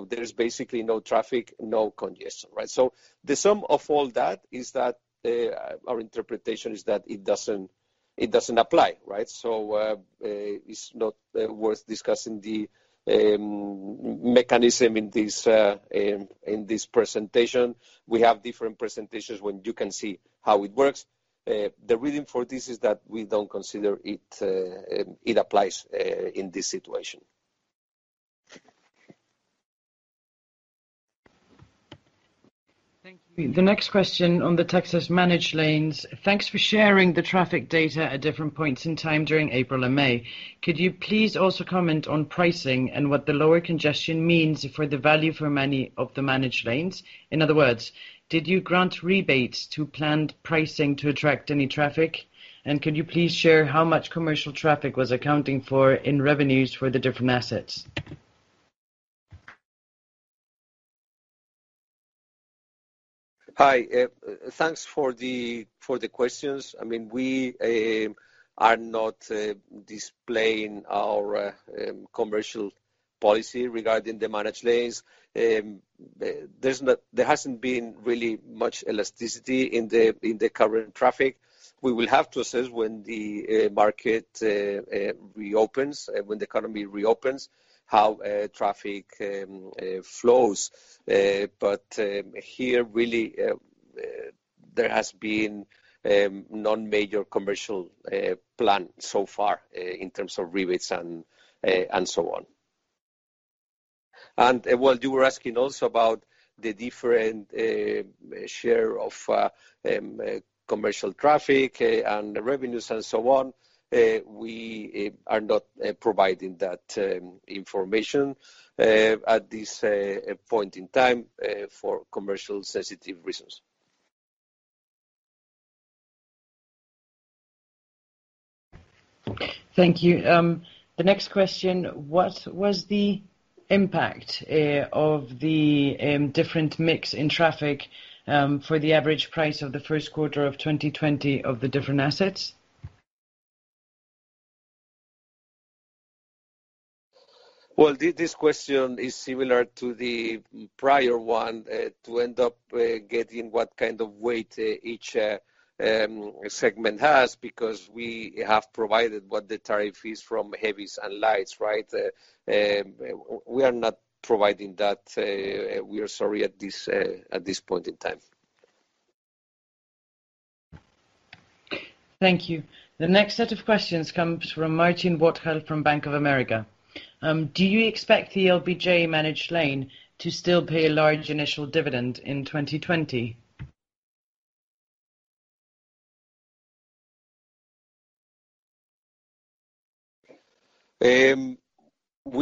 Speaker 2: There is basically no traffic, no congestion, right? The sum of all that, our interpretation is that it doesn't apply, right? It's not worth discussing the mechanism in this presentation. We have different presentations where you can see how it works. The reason for this is that we don't consider it applies in this situation.
Speaker 1: Thank you. The next question on the Texas managed lanes. Thanks for sharing the traffic data at different points in time during April and May. Could you please also comment on pricing and what the lower congestion means for the value for money of the managed lanes? In other words, did you grant rebates to planned pricing to attract any traffic? Could you please share how much commercial traffic was accounting for in revenues for the different assets?
Speaker 2: Hi. Thanks for the questions. We are not displaying our commercial policy regarding the managed lanes. There hasn't been really much elasticity in the current traffic. We will have to assess, when the market reopens, when the economy reopens, how traffic flows. Here, really, there has been no major commercial plan so far in terms of rebates and so on. You were asking also about the different share of commercial traffic and revenues and so on. We are not providing that information at this point in time for commercial sensitivity reasons.
Speaker 1: Thank you. The next question, what was the impact of the different mix in traffic for the average price of the Q1 of 2020 of the different assets?
Speaker 2: Well, this question is similar to the prior one, to end up getting what kind of weight each segment has, because we have provided what the tariff is from heavies and lights, right? We are not providing that, we are sorry, at this point in time.
Speaker 1: Thank you. The next set of questions comes from Marcin Wojtal from Bank of America. Do you expect the LBJ managed lane to still pay a large initial dividend in 2020?
Speaker 2: We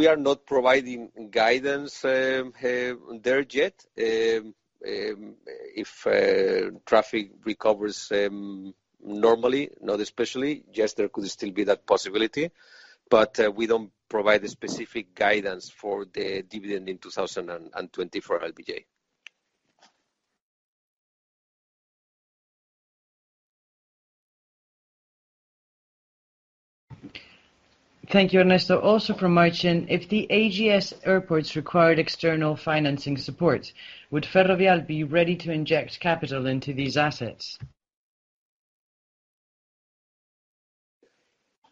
Speaker 2: are not providing guidance there yet. If traffic recovers normally, not especially, yes, there could still be that possibility. We don't provide a specific guidance for the dividend in 2020 for LBJ.
Speaker 1: Thank you, Ernesto. Also from Marcin, if the AGS airports required external financing support, would Ferrovial be ready to inject capital into these assets?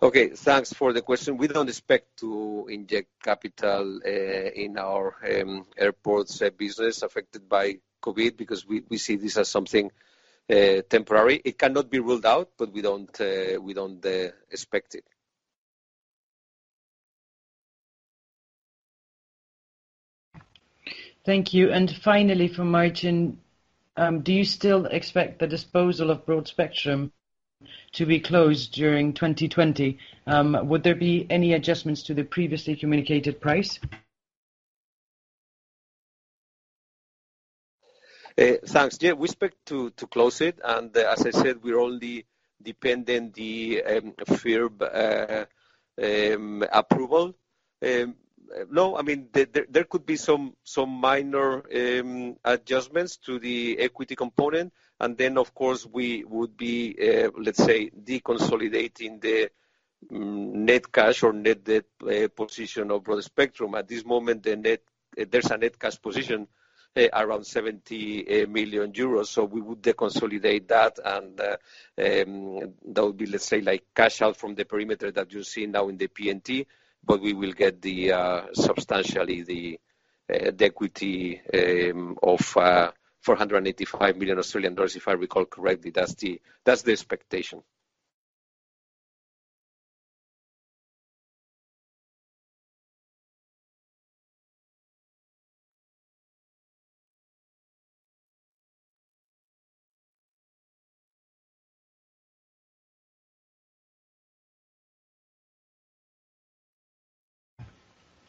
Speaker 2: Okay. Thanks for the question. We don't expect to inject capital in our airports business affected by COVID, because we see this as something temporary. It cannot be ruled out, but we don't expect it.
Speaker 1: Thank you. Finally, from Marcin: Do you still expect the disposal of Broadspectrum to be closed during 2020? Would there be any adjustments to the previously communicated price?
Speaker 2: Thanks. Yeah, we expect to close it. As I said, we're only dependent the FIRB approval. There could be some minor adjustments to the equity component. Then of course, we would be deconsolidating the net cash or net debt position of Broadspectrum. At this moment, there's a net cash position around 70 million euros. We would deconsolidate that. That would be cash out from the perimeter that you see now in the P&L. We will get substantially the equity of 485 million Australian dollars, if I recall correctly. That's the expectation.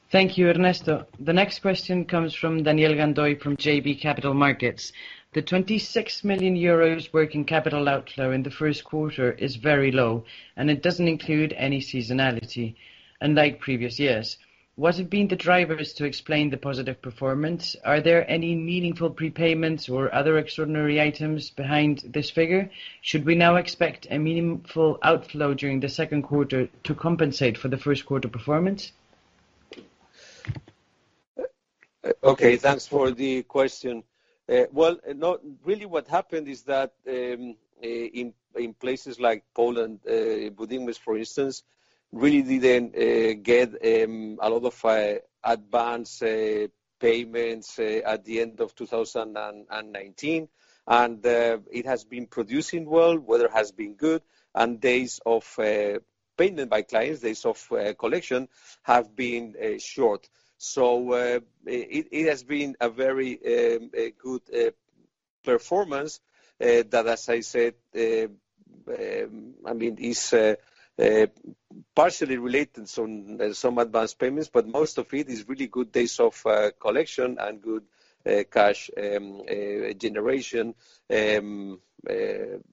Speaker 1: Thank you, Ernesto. The next question comes from Daniel Gandoy from JB Capital Markets. The 26 million euros working capital outflow in the Q1 is very low, and it doesn't include any seasonality, unlike previous years. What have been the drivers to explain the positive performance? Are there any meaningful prepayments or other extraordinary items behind this figure? Should we now expect a meaningful outflow during the Q2 to compensate for the Q1 performance?
Speaker 2: Okay. Thanks for the question. What happened is that in places like Poland, Budimex, for instance, really didn't get a lot of advance payments at the end of 2019. It has been producing well. Weather has been good. Days of payment by clients, days of collection, have been short. It has been a very good performance that, as I said, is partially related, some advance payments, But most of it is really good days of collection and good cash generation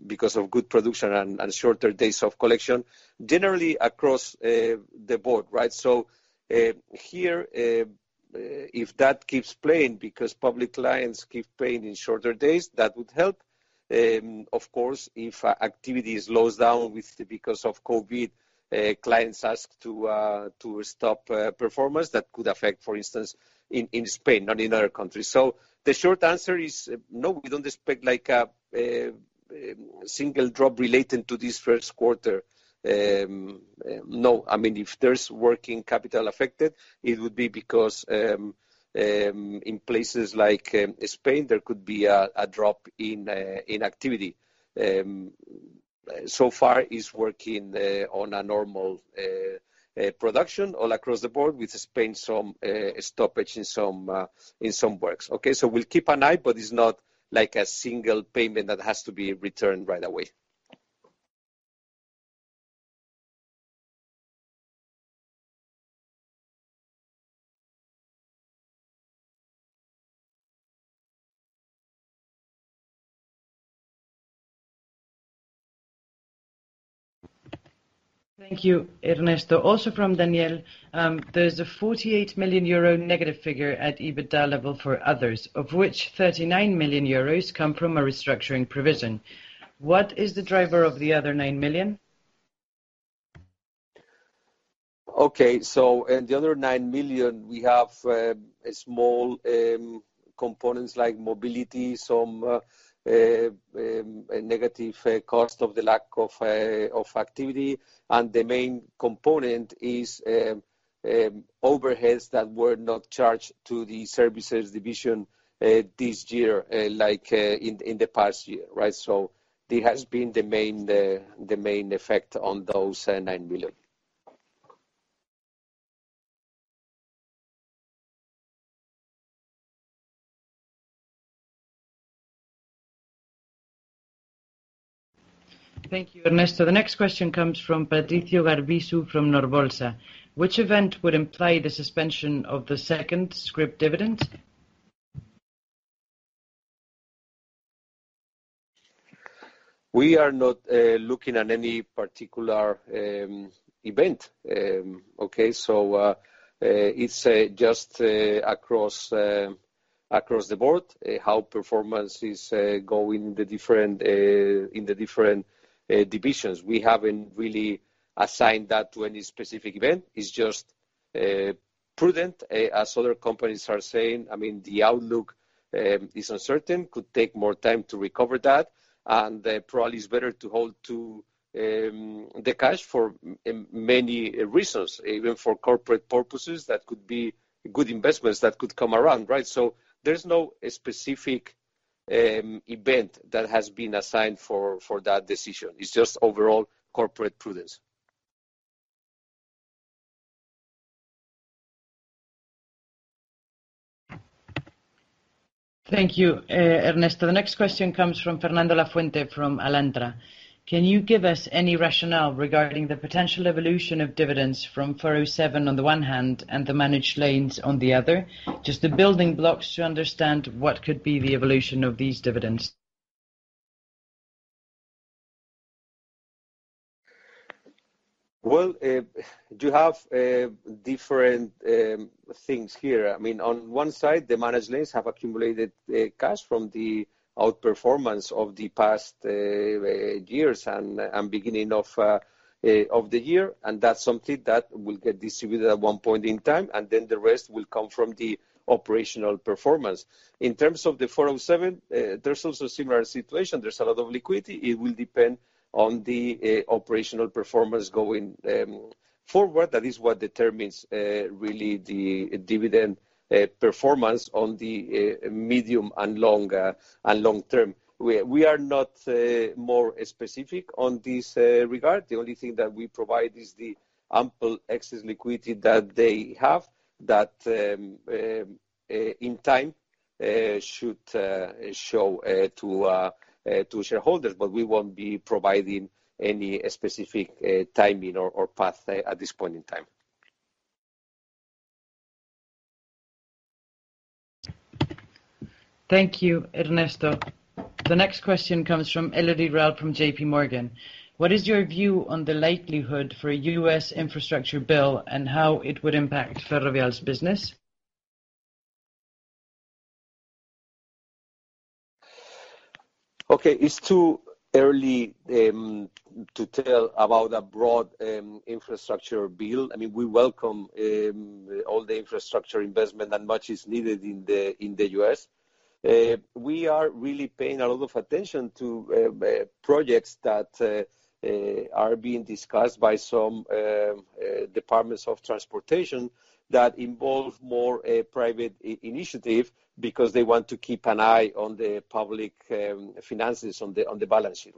Speaker 2: because of good production and shorter days of collection, generally across the board, right? Here, if that keeps playing, because public clients keep paying in shorter days, that would help. Of course, if activity slows down because of COVID, clients ask to stop performance. That could affect, for instance, in Spain, not in other countries. The short answer is no, we don't expect a single drop related to this Q1. No. If there's working capital affected, it would be because, in places like Spain, there could be a drop in inactivity. So far, it's working on a normal production all across the board, with Spain some stoppage in some works. Okay? We'll keep an eye, but it's not like a single payment that has to be returned right away.
Speaker 1: Thank you, Ernesto. Also from Daniel: There's a 48 million euro- figure at EBITDA level for others, of which 39 million euros come from a restructuring provision. What is the driver of the other nine million?
Speaker 2: Okay. In the other 9 million, we have small components like mobility, some negative cost of the lack of activity, and the main component is overheads that were not charged to the services division this year, like in the past year. Right. This has been the main effect on those 9 million.
Speaker 1: Thank you, Ernesto. The next question comes from Patricio Garbisu from Norbolsa: Which event would imply the suspension of the second scrip dividend?
Speaker 2: We are not looking at any particular event. Okay. It's just across the board, how performance is going in the different divisions. We haven't really assigned that to any specific event. It's just prudent, as other companies are saying. The outlook is uncertain, could take more time to recover that, probably it's better to hold the cash for many reasons, even for corporate purposes, that could be good investments that could come around. There's no specific event that has been assigned for that decision. It's just overall corporate prudence.
Speaker 1: Thank you, Ernesto. The next question comes from Fernando Lafuente from Alantra. Can you give us any rationale regarding the potential evolution of dividends from 407 on the one hand, and the managed lanes on the other? Just the building blocks to understand what could be the evolution of these dividends.
Speaker 2: Well, you have different things here. On one side, the managed lanes have accumulated cash from the out-performance of the past years and beginning of the year. That's something that will get distributed at one point in time, and then the rest will come from the operational performance. In terms of the 407, there's also a similar situation. There's a lot of liquidity. It will depend on the operational performance going forward. That is what determines, really, the dividend performance on the medium and long term. We are not more specific on this regard. The only thing that we provide is the ample excess liquidity that they have that, in time, should show to shareholders. We won't be providing any specific timing or pathway at this point in time.
Speaker 1: Thank you, Ernesto. The next question comes from Elodie Rall from JPMorgan. What is your view on the likelihood for a U.S. infrastructure bill, and how it would impact Ferrovial's business?
Speaker 2: It's too early to tell about a broad infrastructure bill. We welcome all the infrastructure investment, much is needed in the U.S. We are really paying a lot of attention to projects that are being discussed by some departments of transportation that involve more private initiative, because they want to keep an eye on the public finances on the balance sheet.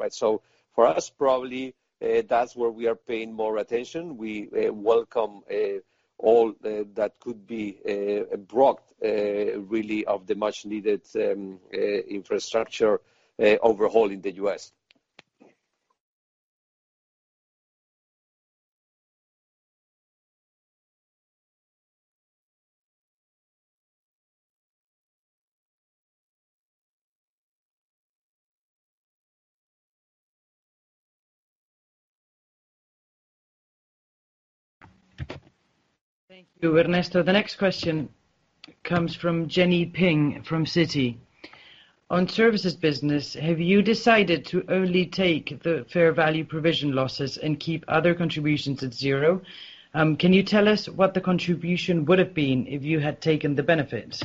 Speaker 2: For us, probably, that's where we are paying more attention. We welcome all that could be brought, really, of the much needed infrastructure overhaul in the U.S.
Speaker 1: Thank you, Ernesto. The next question comes from Jenny Ping from Citi. On services business, have you decided to only take the fair value provision losses and keep other contributions at zero? Can you tell us what the contribution would've been if you had taken the benefit?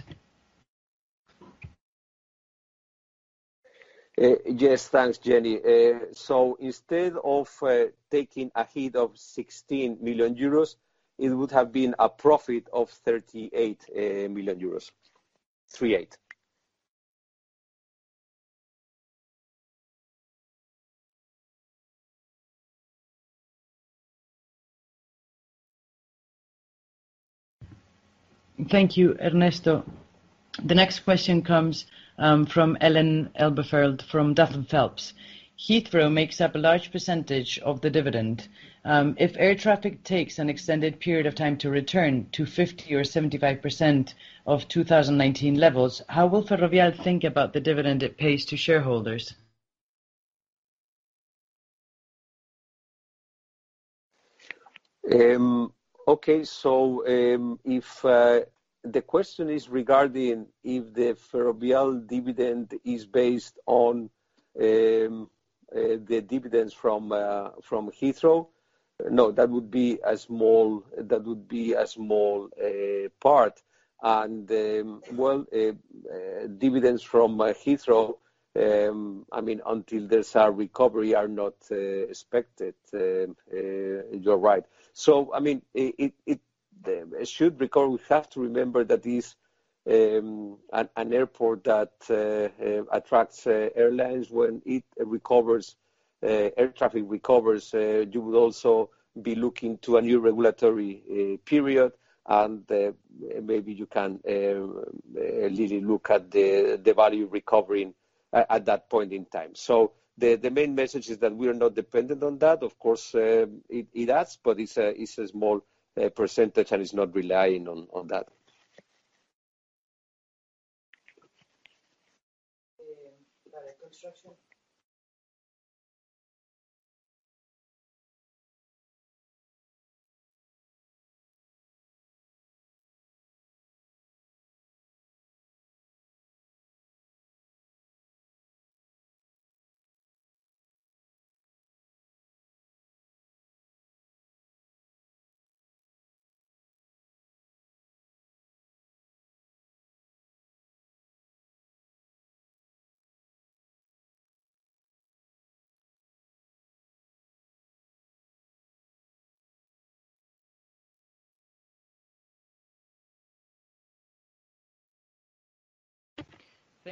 Speaker 2: Yes. Thanks, Jenny. Instead of taking a hit of 16 million euros, it would have been a profit of 38 million euros.
Speaker 1: Thank you, Ernesto. The next question comes from Ellen Elberfeld from Duff & Phelps. Heathrow makes up a large percentage of the dividend. If air traffic takes an extended period of time to return to 50% or 75% of 2019 levels, how will Ferrovial think about the dividend it pays to shareholders?
Speaker 2: Okay. The question is regarding if the Ferrovial dividend is based on the dividends from Heathrow? No, that would be a small part. Dividends from Heathrow, until there's a recovery, are not expected. You're right. We have to remember that it's an airport that attracts airlines. When air traffic recovers, you will also be looking to a new regulatory period, and maybe you can really look at the value recovering at that point in time. The main message is that we are not dependent on that. Of course, it adds, but it's a small percentage and it's not relying on that.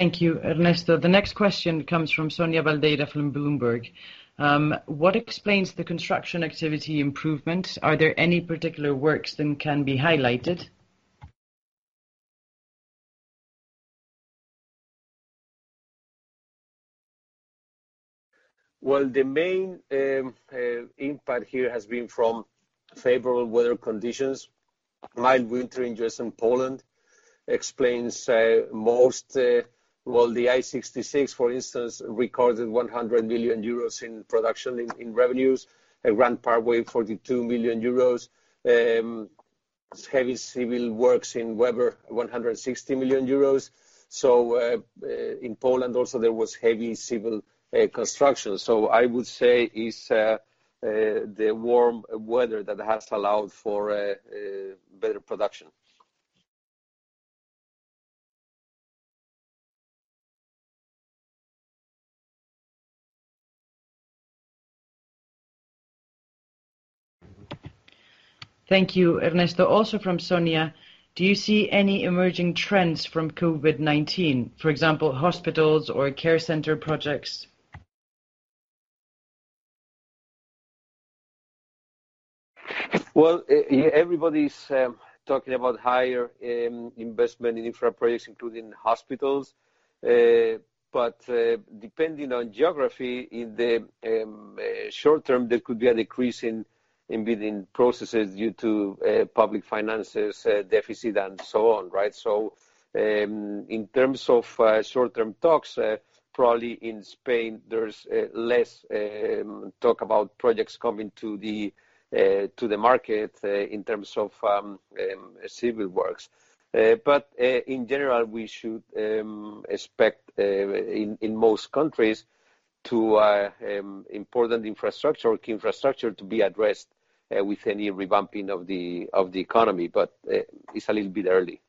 Speaker 1: The reconstruction? Thank you, Ernesto. The next question comes from Sonia Baldeira from Bloomberg. What explains the construction activity improvement? Are there any particular works that can be highlighted?
Speaker 2: The main impact here has been from favorable weather conditions. Mild winter in Germany and Poland explains most. The I-66, for instance, recorded 100 million euros in production, in revenues. Grand Parkway, 42 million euros. Heavy civil works in Webber, 160 million euros. In Poland also, there was heavy civil construction. I would say it's the warm weather that has allowed for better production.
Speaker 1: Thank you, Ernesto. Also from Sonia, do you see any emerging trends from COVID-19, for example, hospitals or care center projects?
Speaker 2: Well, everybody's talking about higher investment in infra projects, including hospitals. Depending on geography, in the short term, there could be a decrease in bidding processes due to public finances deficit and so on, right? In terms of short-term talks, probably in Spain, there's less talk about projects coming to the market in terms of civil works. In general, we should expect in most countries to important infrastructure to be addressed with any revamping of the economy, but it's a little bit early.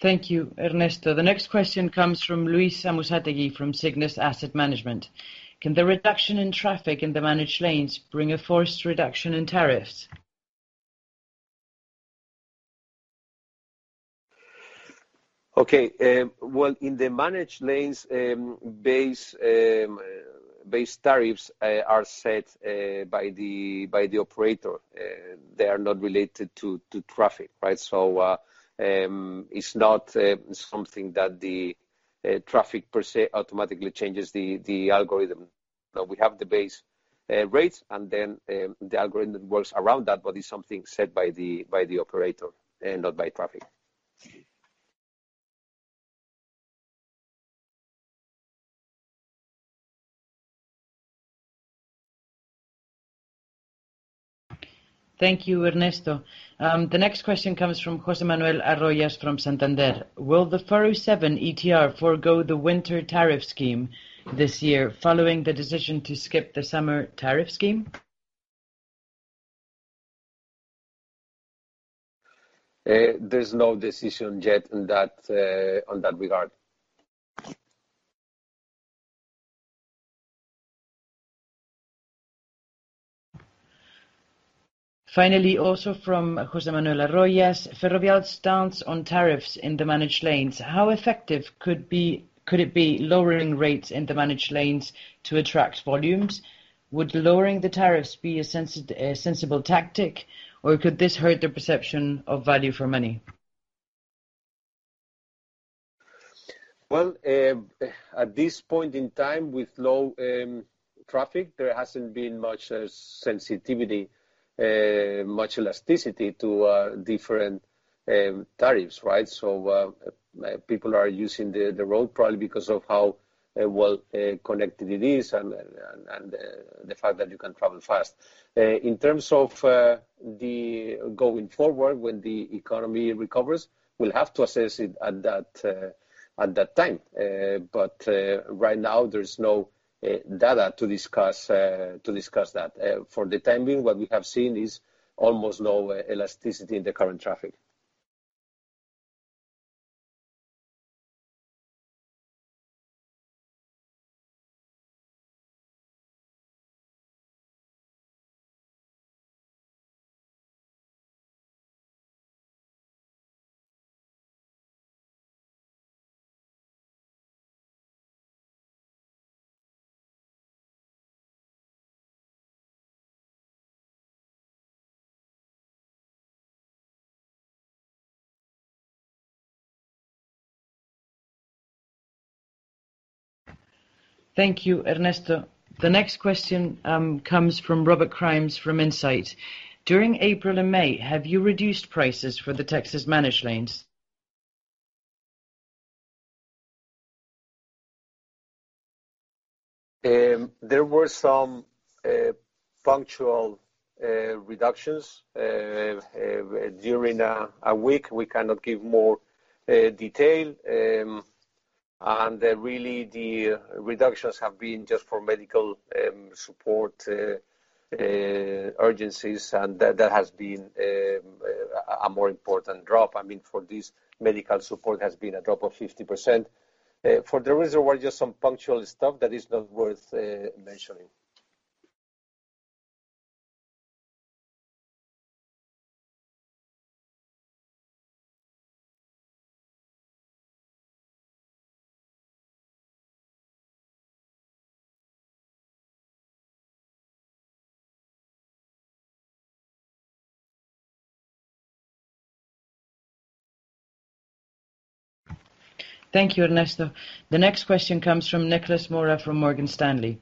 Speaker 1: Thank you, Ernesto. The next question comes from Luisa Musategui from Cygnus Asset Management. Can the reduction in traffic in the managed lanes bring a forced reduction in tariffs?
Speaker 2: Okay. Well, in the managed lanes, base tariffs are set by the operator. They are not related to traffic, right? It's not something that the traffic per se automatically changes the algorithm. We have the base rates, and then the algorithm works around that, but it's something set by the operator and not by traffic.
Speaker 1: Thank you, Ernesto. The next question comes from Jose Manuel Arroyo from Santander. Will the 407 ETR forgo the winter tariff scheme this year following the decision to skip the summer tariff scheme?
Speaker 2: There's no decision yet on that regard.
Speaker 1: Also from Jose Manuel Arroyo. Ferrovial's stance on tariffs in the managed lanes. How effective could it be lowering rates in the managed lanes to attract volumes? Would lowering the tariffs be a sensible tactic, or could this hurt the perception of value for money?
Speaker 2: Well, at this point in time with low traffic, there hasn't been much sensitivity, much elasticity to different tariffs, right? People are using the road probably because of how well connected it is and the fact that you can travel fast. In terms of the going forward, when the economy recovers, we'll have to assess it at that time. Right now, there's no data to discuss that. For the time being, what we have seen is almost no elasticity in the current traffic.
Speaker 1: Thank you, Ernesto. The next question comes from Robert Crimes from Insight. During April and May, have you reduced prices for the Texas managed lanes?
Speaker 2: There were some punctual reductions during a week. We cannot give more detail. Really, the reductions have been just for medical support urgencies, and that has been a more important drop. For this, medical support has been a drop of 50%. For the rest, there were just some punctual stuff that is not worth mentioning.
Speaker 1: Thank you, Ernesto. The next question comes from Nicolas Mora from Morgan Stanley.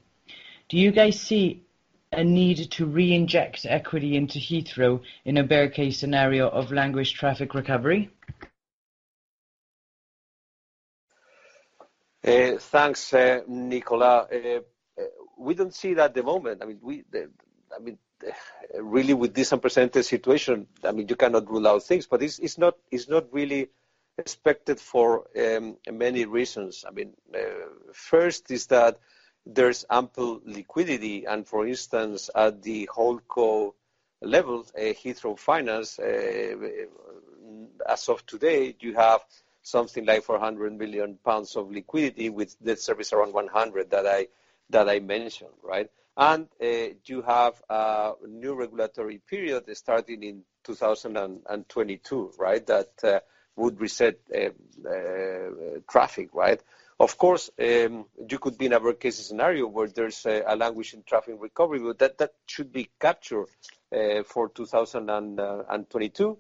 Speaker 1: Do you guys see a need to reinject equity into Heathrow in a bear case scenario of languished traffic recovery?
Speaker 2: Thanks, Nicolas. We don't see that at the moment. Really, with this unprecedented situation, you cannot rule out things, but it's not really expected for many reasons. First is that there's ample liquidity, and for instance, at the holdco level, Heathrow Finance, as of today, you have something like 400 million pounds of liquidity with net service around 100 that I mentioned. Right? You have a new regulatory period starting in 2022, that would reset traffic. Of course, you could be in a bear case scenario where there's a languishing traffic recovery, but that should be captured for 2022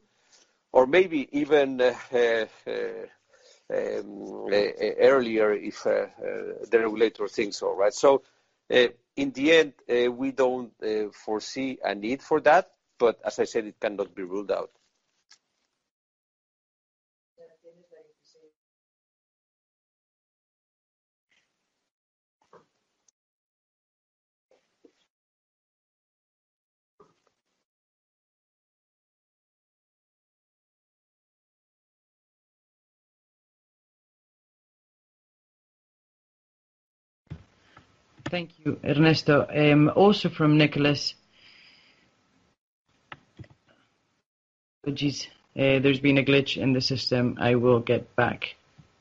Speaker 2: or maybe even earlier if the regulator thinks so. Right? In the end, we don't foresee a need for that, but as I said, it cannot be ruled out.
Speaker 1: Thank you, Ernesto. Oh, geez. There's been a glitch in the system. I will get back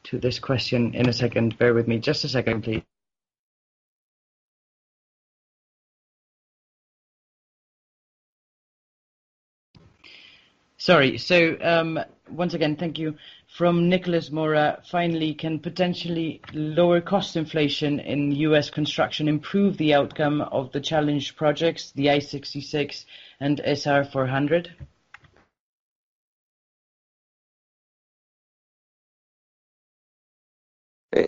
Speaker 1: to this question in a second. Bear with me. Just a second, please. Sorry. Once again, thank you. From Nicolas Mora: Finally, can potentially lower cost inflation in U.S. construction improve the outcome of the challenge projects, the I-66 and SR 400?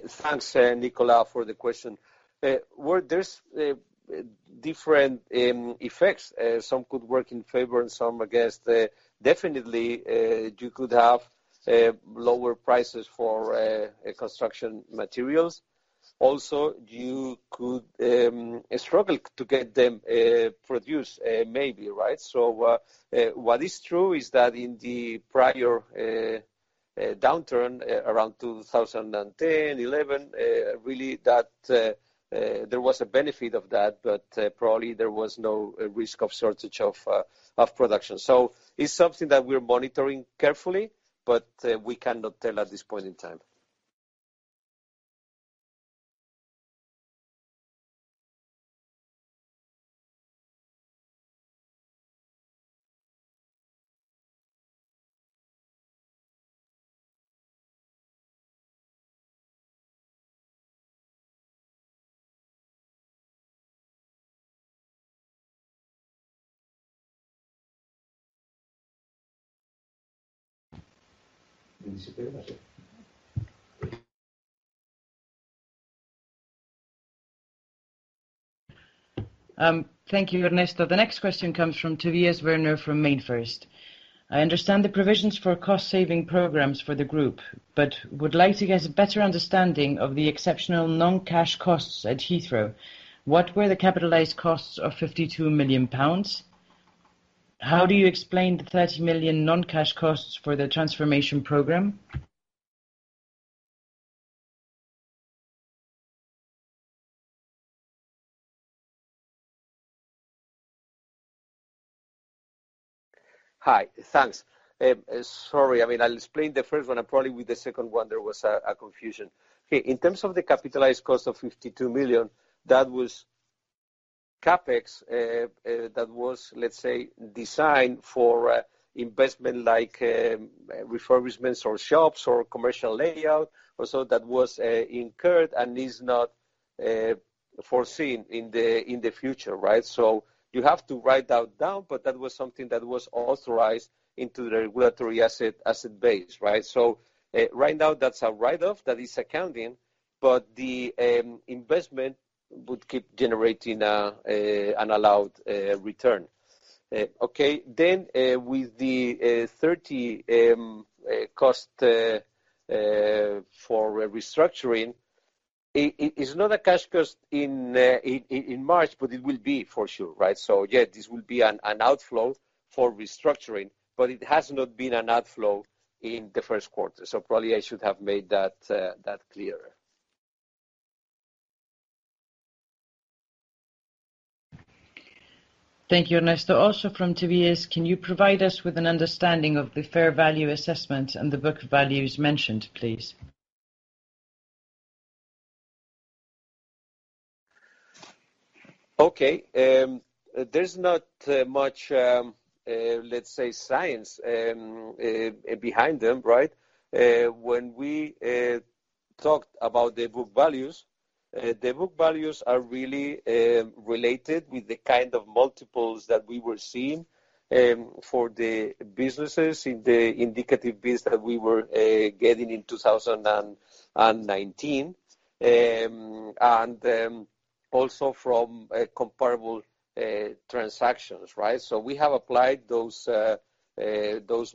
Speaker 2: Thanks, Nicolas, for the question. Well, there's different effects. Some could work in favor and some against. Definitely, you could have lower prices for construction materials. Also, you could struggle to get them produced, maybe. Right? What is true is that in the prior downturn around 2010, 2011, really there was a benefit of that, but probably there was no risk of shortage of production. It's something that we're monitoring carefully, but we cannot tell at this point in time.
Speaker 1: Thank you, Ernesto. The next question comes from Tobias Werner from MainFirst. I understand the provisions for cost-saving programs for the group, would like to get a better understanding of the exceptional non-cash costs at Heathrow. What were the capitalized costs of 52 million pounds? How do you explain the 30 million non-cash costs for the transformation program?
Speaker 2: Hi. Thanks. Sorry. I'll explain the first one, and probably with the second one, there was a confusion. In terms of the capitalized cost of 52 million, that was CapEx that was, let's say, designed for investment, like refurbishments or shops or commercial layout or so that was incurred and is not foreseen in the future. Right? You have to write that down, but that was something that was authorized into the regulated asset base. Right? Right now, that's a write-off, that is accounting, but the investment would keep generating an allowed return. With the 30 million cost for restructuring, it's not a cash cost in March, but it will be for sure, right? Yeah, this will be an outflow for restructuring, but it has not been an outflow in the Q1. Probably I should have made that clearer.
Speaker 1: Thank you, Ernesto. Also from Tobias, can you provide us with an understanding of the fair value assessment and the book values mentioned, please?
Speaker 2: There's not much, let's say, science behind them, right? We talked about the book values, the book values are really related with the kind of multiples that we were seeing for the businesses in the indicative bids that we were getting in 2019, and also from comparable transactions, right? We have applied those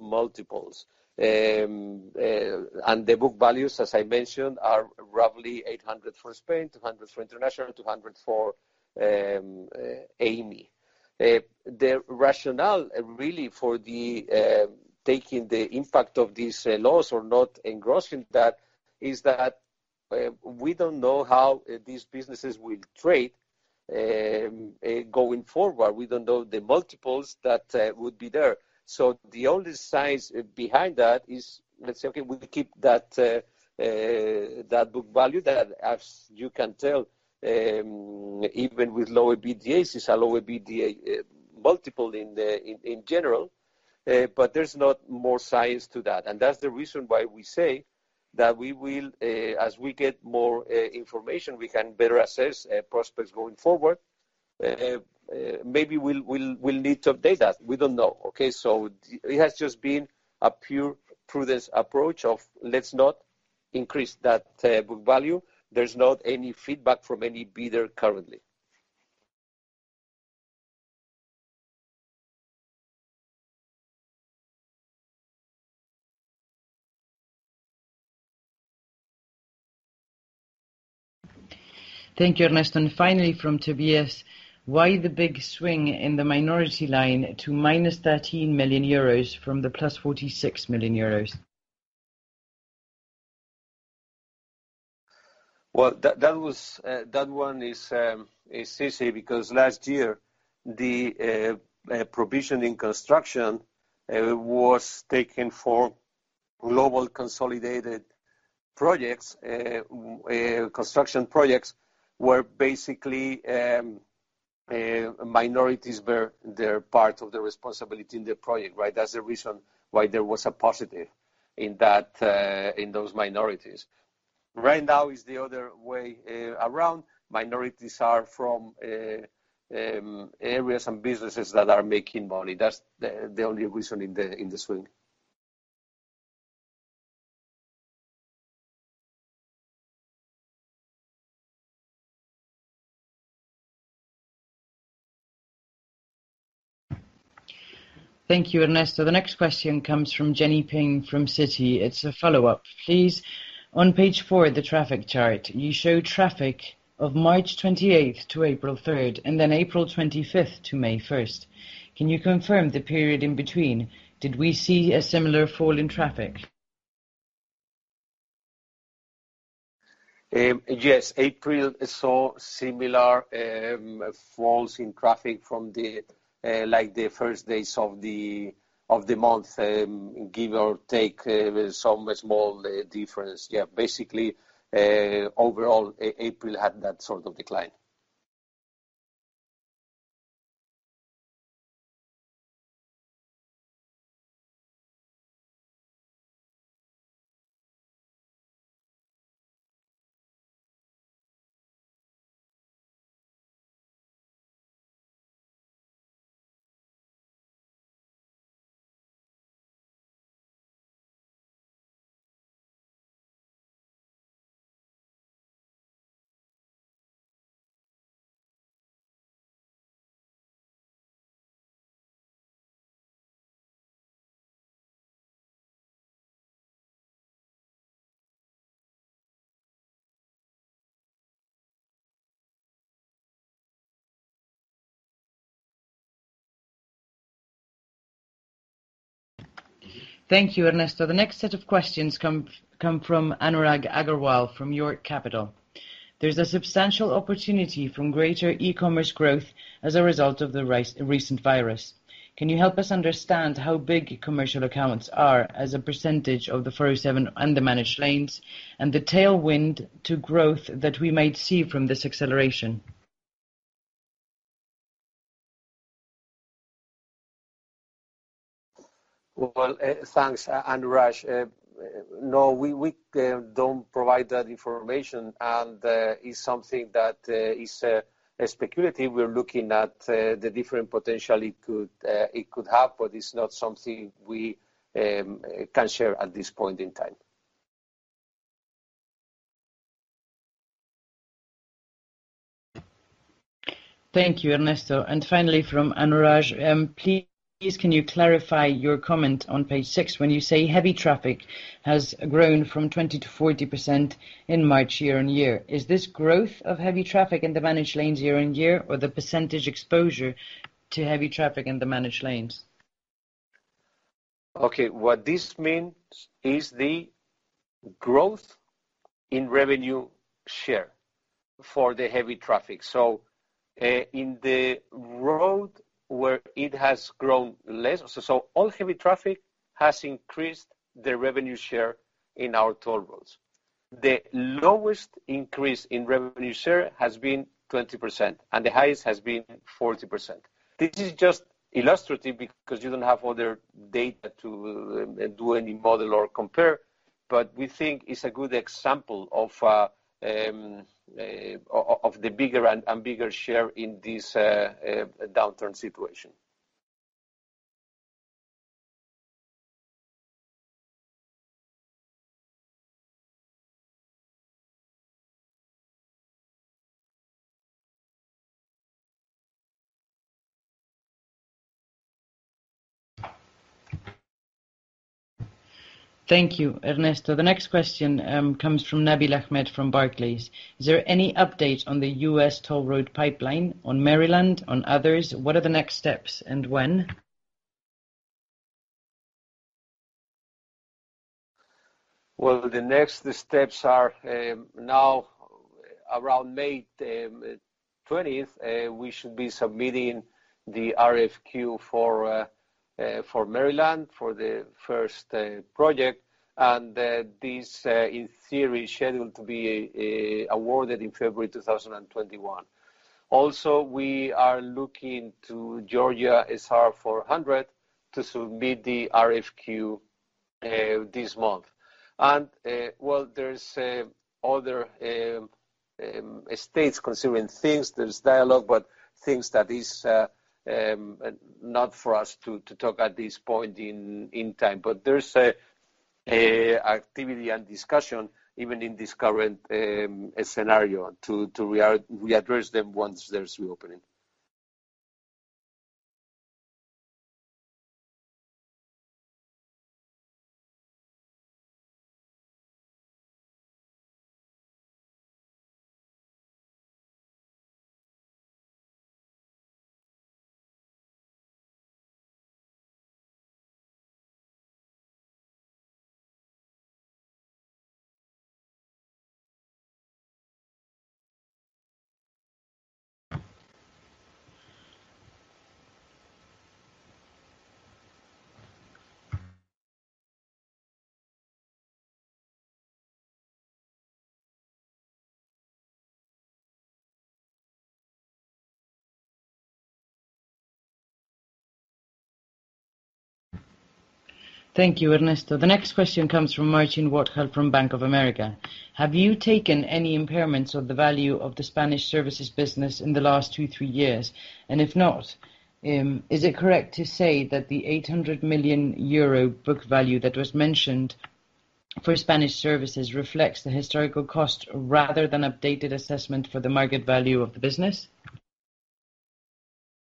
Speaker 2: multiples. The book values, as I mentioned, are roughly 800 for Spain, 200 for international, 200 for Amey. The rationale, really, for taking the impact of these laws or not engrossing that, is that we don't know how these businesses will trade going forward. We don't know the multiples that would be there. The only science behind that is, let's say, okay, we keep that book value that, as you can tell, even with lower EBITDAs, it's a lower EBITDA multiple in general, there's not more science to that. That's the reason why we say that as we get more information, we can better assess prospects going forward. Maybe we'll need to update that. We don't know, okay. It has just been a pure prudence approach of let's not increase that book value. There's not any feedback from any bidder currently.
Speaker 1: Thank you, Ernesto. Finally, from TBS, why the big swing in the minority line to -13 million euros from the +46 million euros?
Speaker 2: Well, that one is easy because last year, the provisioning construction was taken for global consolidated projects, construction projects, where basically minorities bear their part of the responsibility in the project, right? That's the reason why there was a positive in those minorities. Right now is the other way around. Minorities are from areas and businesses that are making money. That's the only reason in the swing.
Speaker 1: Thank you, Ernesto. The next question comes from Jenny Ping from Citi. It's a follow-up. Please, on page four, the traffic chart, you show traffic of March 28th to April 3rd, and then April 25th to May 1st. Can you confirm the period in between? Did we see a similar fall in traffic?
Speaker 2: Yes. April saw similar falls in traffic from the first days of the month, give or take with some small difference. Yeah, basically, overall, April had that sort of decline.
Speaker 1: Thank you, Ernesto. The next set of questions come from Anurag Aggarwal from York Capital. There's a substantial opportunity from greater e-commerce growth as a result of the recent virus. Can you help us understand how big commercial accounts are as a percentage of the 407 and the managed lanes, and the tailwind to growth that we might see from this acceleration?
Speaker 2: Well, thanks, Anurag. No, we don't provide that information, and it's something that is speculative. We're looking at the different potential it could have, but it's not something we can share at this point in time.
Speaker 1: Thank you, Ernesto. Finally, from Anurag, please can you clarify your comment on page six when you say heavy traffic has grown from 20% to 40% in March year-over-year? Is this growth of heavy traffic in the managed lanes year-over-year, or the percentage exposure to heavy traffic in the managed lanes?
Speaker 2: Okay. What this means is the growth in revenue share for the heavy traffic. In the road where it has grown less, so all heavy traffic has increased the revenue share in our toll roads. The lowest increase in revenue share has been 20%, and the highest has been 40%. This is just illustrative because you don't have other data to do any model or compare, but we think it's a good example of the bigger and bigger share in this downturn situation.
Speaker 1: Thank you, Ernesto. The next question comes from Nabil Ahmed from Barclays. Is there any update on the U.S. toll road pipeline on Maryland, on others? What are the next steps and when?
Speaker 2: Well, the next steps are now around May 20th, we should be submitting the RFQ for Maryland for the first project, and this, in theory, is scheduled to be awarded in February 2021. We are looking to Georgia SR 400 to submit the RFQ this month. Well, there's other states considering things. There's dialogue, but things that is not for us to talk at this point in time. There's activity and discussion even in this current scenario to readdress them once there's reopening.
Speaker 1: Thank you, Ernesto. The next question comes from Martin Wojtal from Bank of America. Have you taken any impairments of the value of the Spanish services business in the last two, three years? If not, is it correct to say that the 800 million euro book value that was mentioned for Spanish services reflects the historical cost rather than updated assessment for the market value of the business?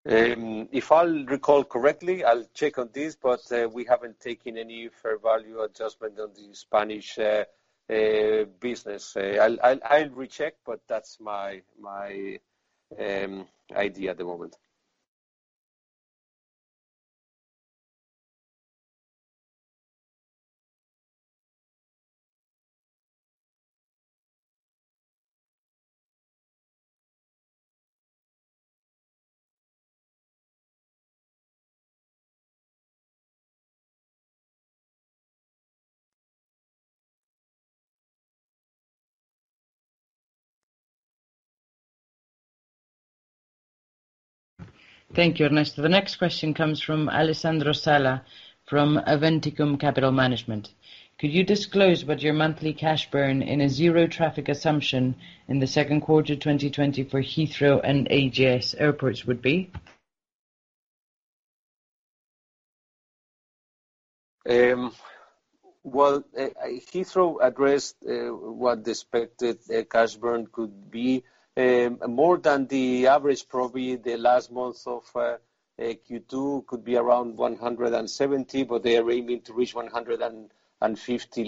Speaker 2: If I'll recall correctly, I'll check on this, but we haven't taken any fair value adjustment on the Spanish business. I'll recheck, but that's my idea at the moment.
Speaker 1: Thank you, Ernesto. The next question comes from Alessandro Sala from Aventicum Capital Management. Could you disclose what your monthly cash burn in a zero traffic assumption in the Q2 2020 for Heathrow and AGS airports would be?
Speaker 2: Heathrow addressed what the expected cash burn could be. More than the average, probably the last month of Q2 could be around 170, but they are aiming to reach 150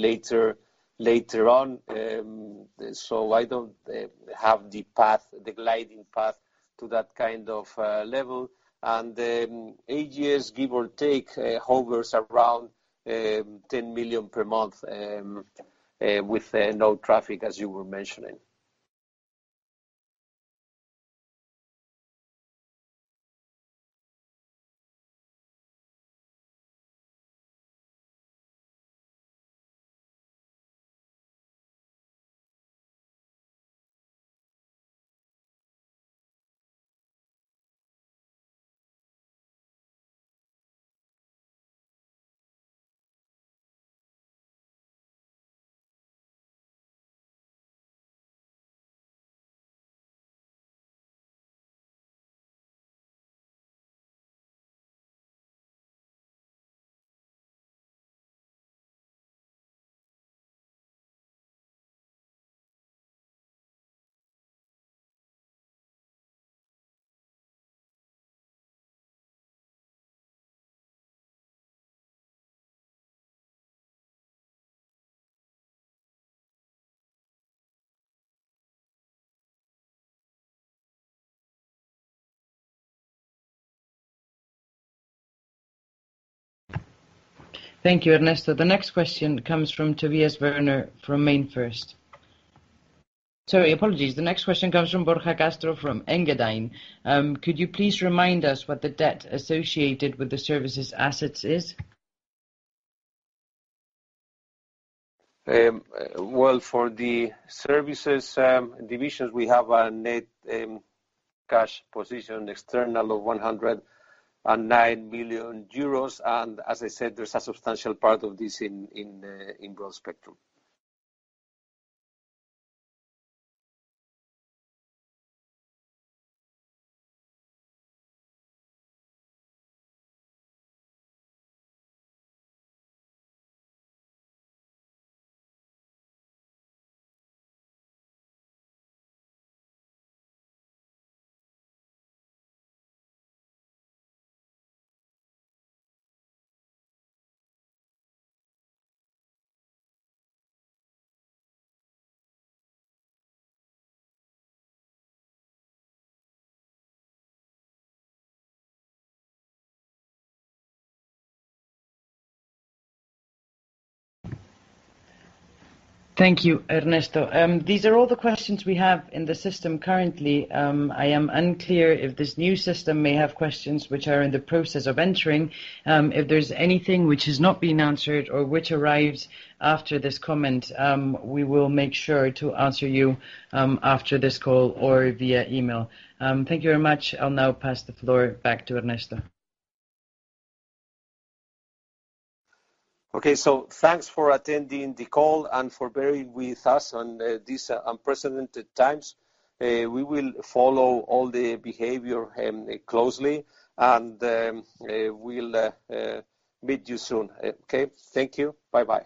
Speaker 2: later on. I don't have the gliding path to that kind of level. AGS, give or take, hovers around 10 million per month with no traffic as you were mentioning.
Speaker 1: Thank you, Ernesto. The next question comes from Tobias Werner from MainFirst. Sorry, apologies. The next question comes from Borja Castro from Engadine. Could you please remind us what the debt associated with the services assets is?
Speaker 2: Well, for the services divisions, we have a net cash position external of 109 million euros. As I said, there's a substantial part of this in Broadspectrum.
Speaker 1: Thank you, Ernesto. These are all the questions we have in the system currently. I am unclear if this new system may have questions which are in the process of entering. If there's anything which has not been answered or which arrives after this comment, we will make sure to answer you after this call or via email. Thank you very much. I'll now pass the floor back to Ernesto.
Speaker 2: Okay. Thanks for attending the call and for bearing with us on these unprecedented times. We will follow all the behavior closely, and we'll meet you soon. Okay. Thank you. Bye bye.